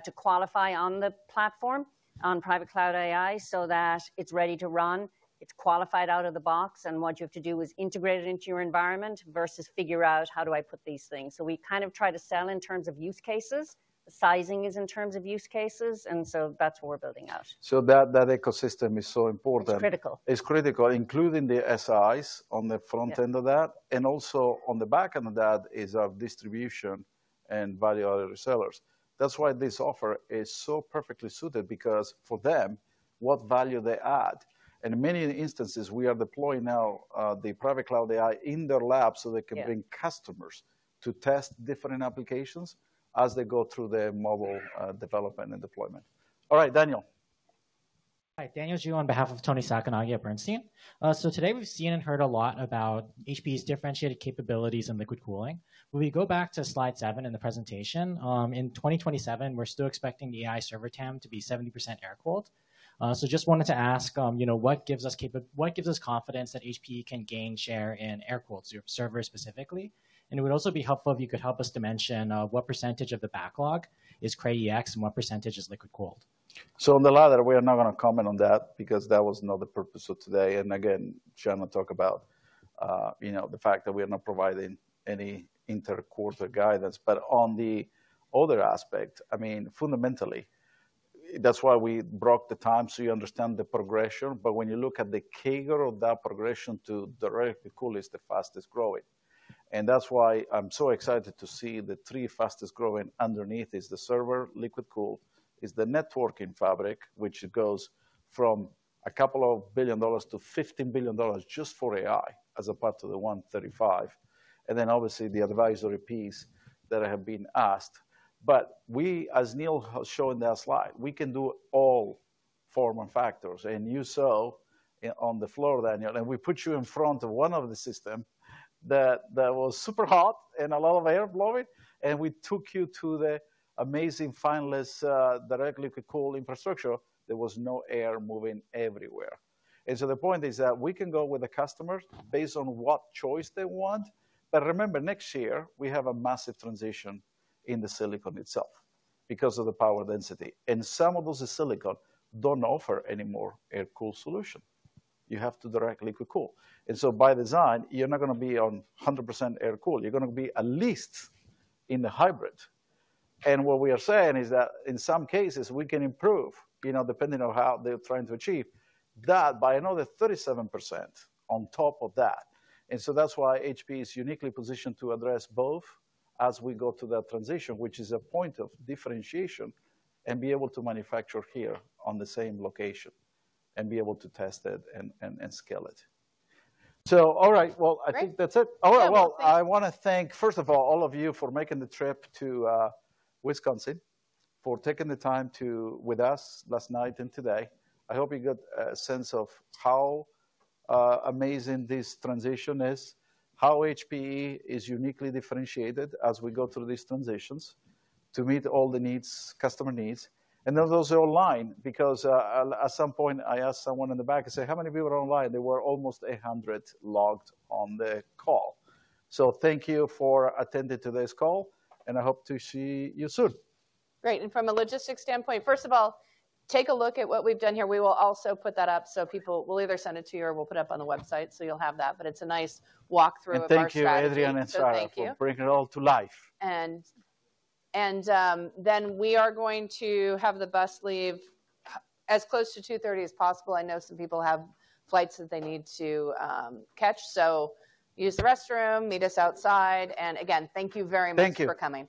to qualify on the platform on Private Cloud AI so that it's ready to run. It's qualified out of the box, and what you have to do is integrate it into your environment versus figure out how do I put these things. So we kind of try to sell in terms of use cases. The sizing is in terms of use cases, and so that's what we're building out. So that ecosystem is so important. It's critical. It's critical, including the SIs on the front end of that, and also on the back end of that is our distribution and value-added resellers. That's why this offer is so perfectly suited because for them, what value they add. And in many instances, we are deploying now the Private Cloud AI in their lab so they can bring customers to test different applications as they go through their model development and deployment. All right, Daniel? Hi, its Daniel on behalf of Toni Sacconaghi at Bernstein. So today we've seen and heard a lot about HPE's differentiated capabilities in liquid cooling. When we go back to slide seven in the presentation, in 2027, we're still expecting the AI server TAM to be 70% air-cooled. So just wanted to ask, what gives us confidence that HPE can gain share in air-cooled servers specifically? And it would also be helpful if you could help us to mention what percentage of the backlog is Cray EX and what percentage is liquid cooled. So on the latter, we are not going to comment on that because that was not the purpose of today. And again, Shannon talked about the fact that we are not providing any interquarter guidance. But on the other aspect, I mean, fundamentally, that's why we broke the time so you understand the progression. But when you look at the bigger of that progression to direct cool, it's the fastest growing. And that's why I'm so excited to see the three fastest growing underneath is the server liquid cool, is the networking fabric, which goes from a couple of billion dollars to $15 billion just for AI as a part of the 135. And then obviously the storage piece that I have been asked. But we, as Neil was showing that slide, we can do all form factors. And you saw on the floor, Daniel, and we put you in front of one of the systems that was super hot and a lot of air blowing. And we took you to the amazing fanless direct liquid cool infrastructure. There was no air moving everywhere. And so the point is that we can go with the customers based on what choice they want. But remember, next year we have a massive transition in the silicon itself because of the power density. And some of those silicon don't offer any more air-cooled solution. You have to direct liquid cool. And so by design, you're not going to be on 100% air-cooled. You're going to be at least in the hybrid. And what we are saying is that in some cases, we can improve depending on how they're trying to achieve that by another 37% on top of that. And so that's why HPE is uniquely positioned to address both as we go to that transition, which is a point of differentiation and be able to manufacture here on the same location and be able to test it and scale it. So all right, well, I think that's it. All right, well, I want to thank, first of all, all of you for making the trip to Wisconsin, for taking the time with us last night and today. I hope you got a sense of how amazing this transition is, how HPE is uniquely differentiated as we go through these transitions to meet all the customer needs, and those are online because at some point, I asked someone in the back, I said, "How many people are online?" There were almost 800 logged on the call. So thank you for attending today's call, and I hope to see you soon. Great, and from a logistics standpoint, first of all, take a look at what we've done here. We will also put that up. So people will either send it to you or we'll put it up on the website so you'll have that. But it's a nice walkthrough of the website. Thank you, Adrian, and Sarah for bringing it all to life. And then we are going to have the bus leave as close to 2:30 P.M. as possible. I know some people have flights that they need to catch. So use the restroom, meet us outside. And again, thank you very much for coming.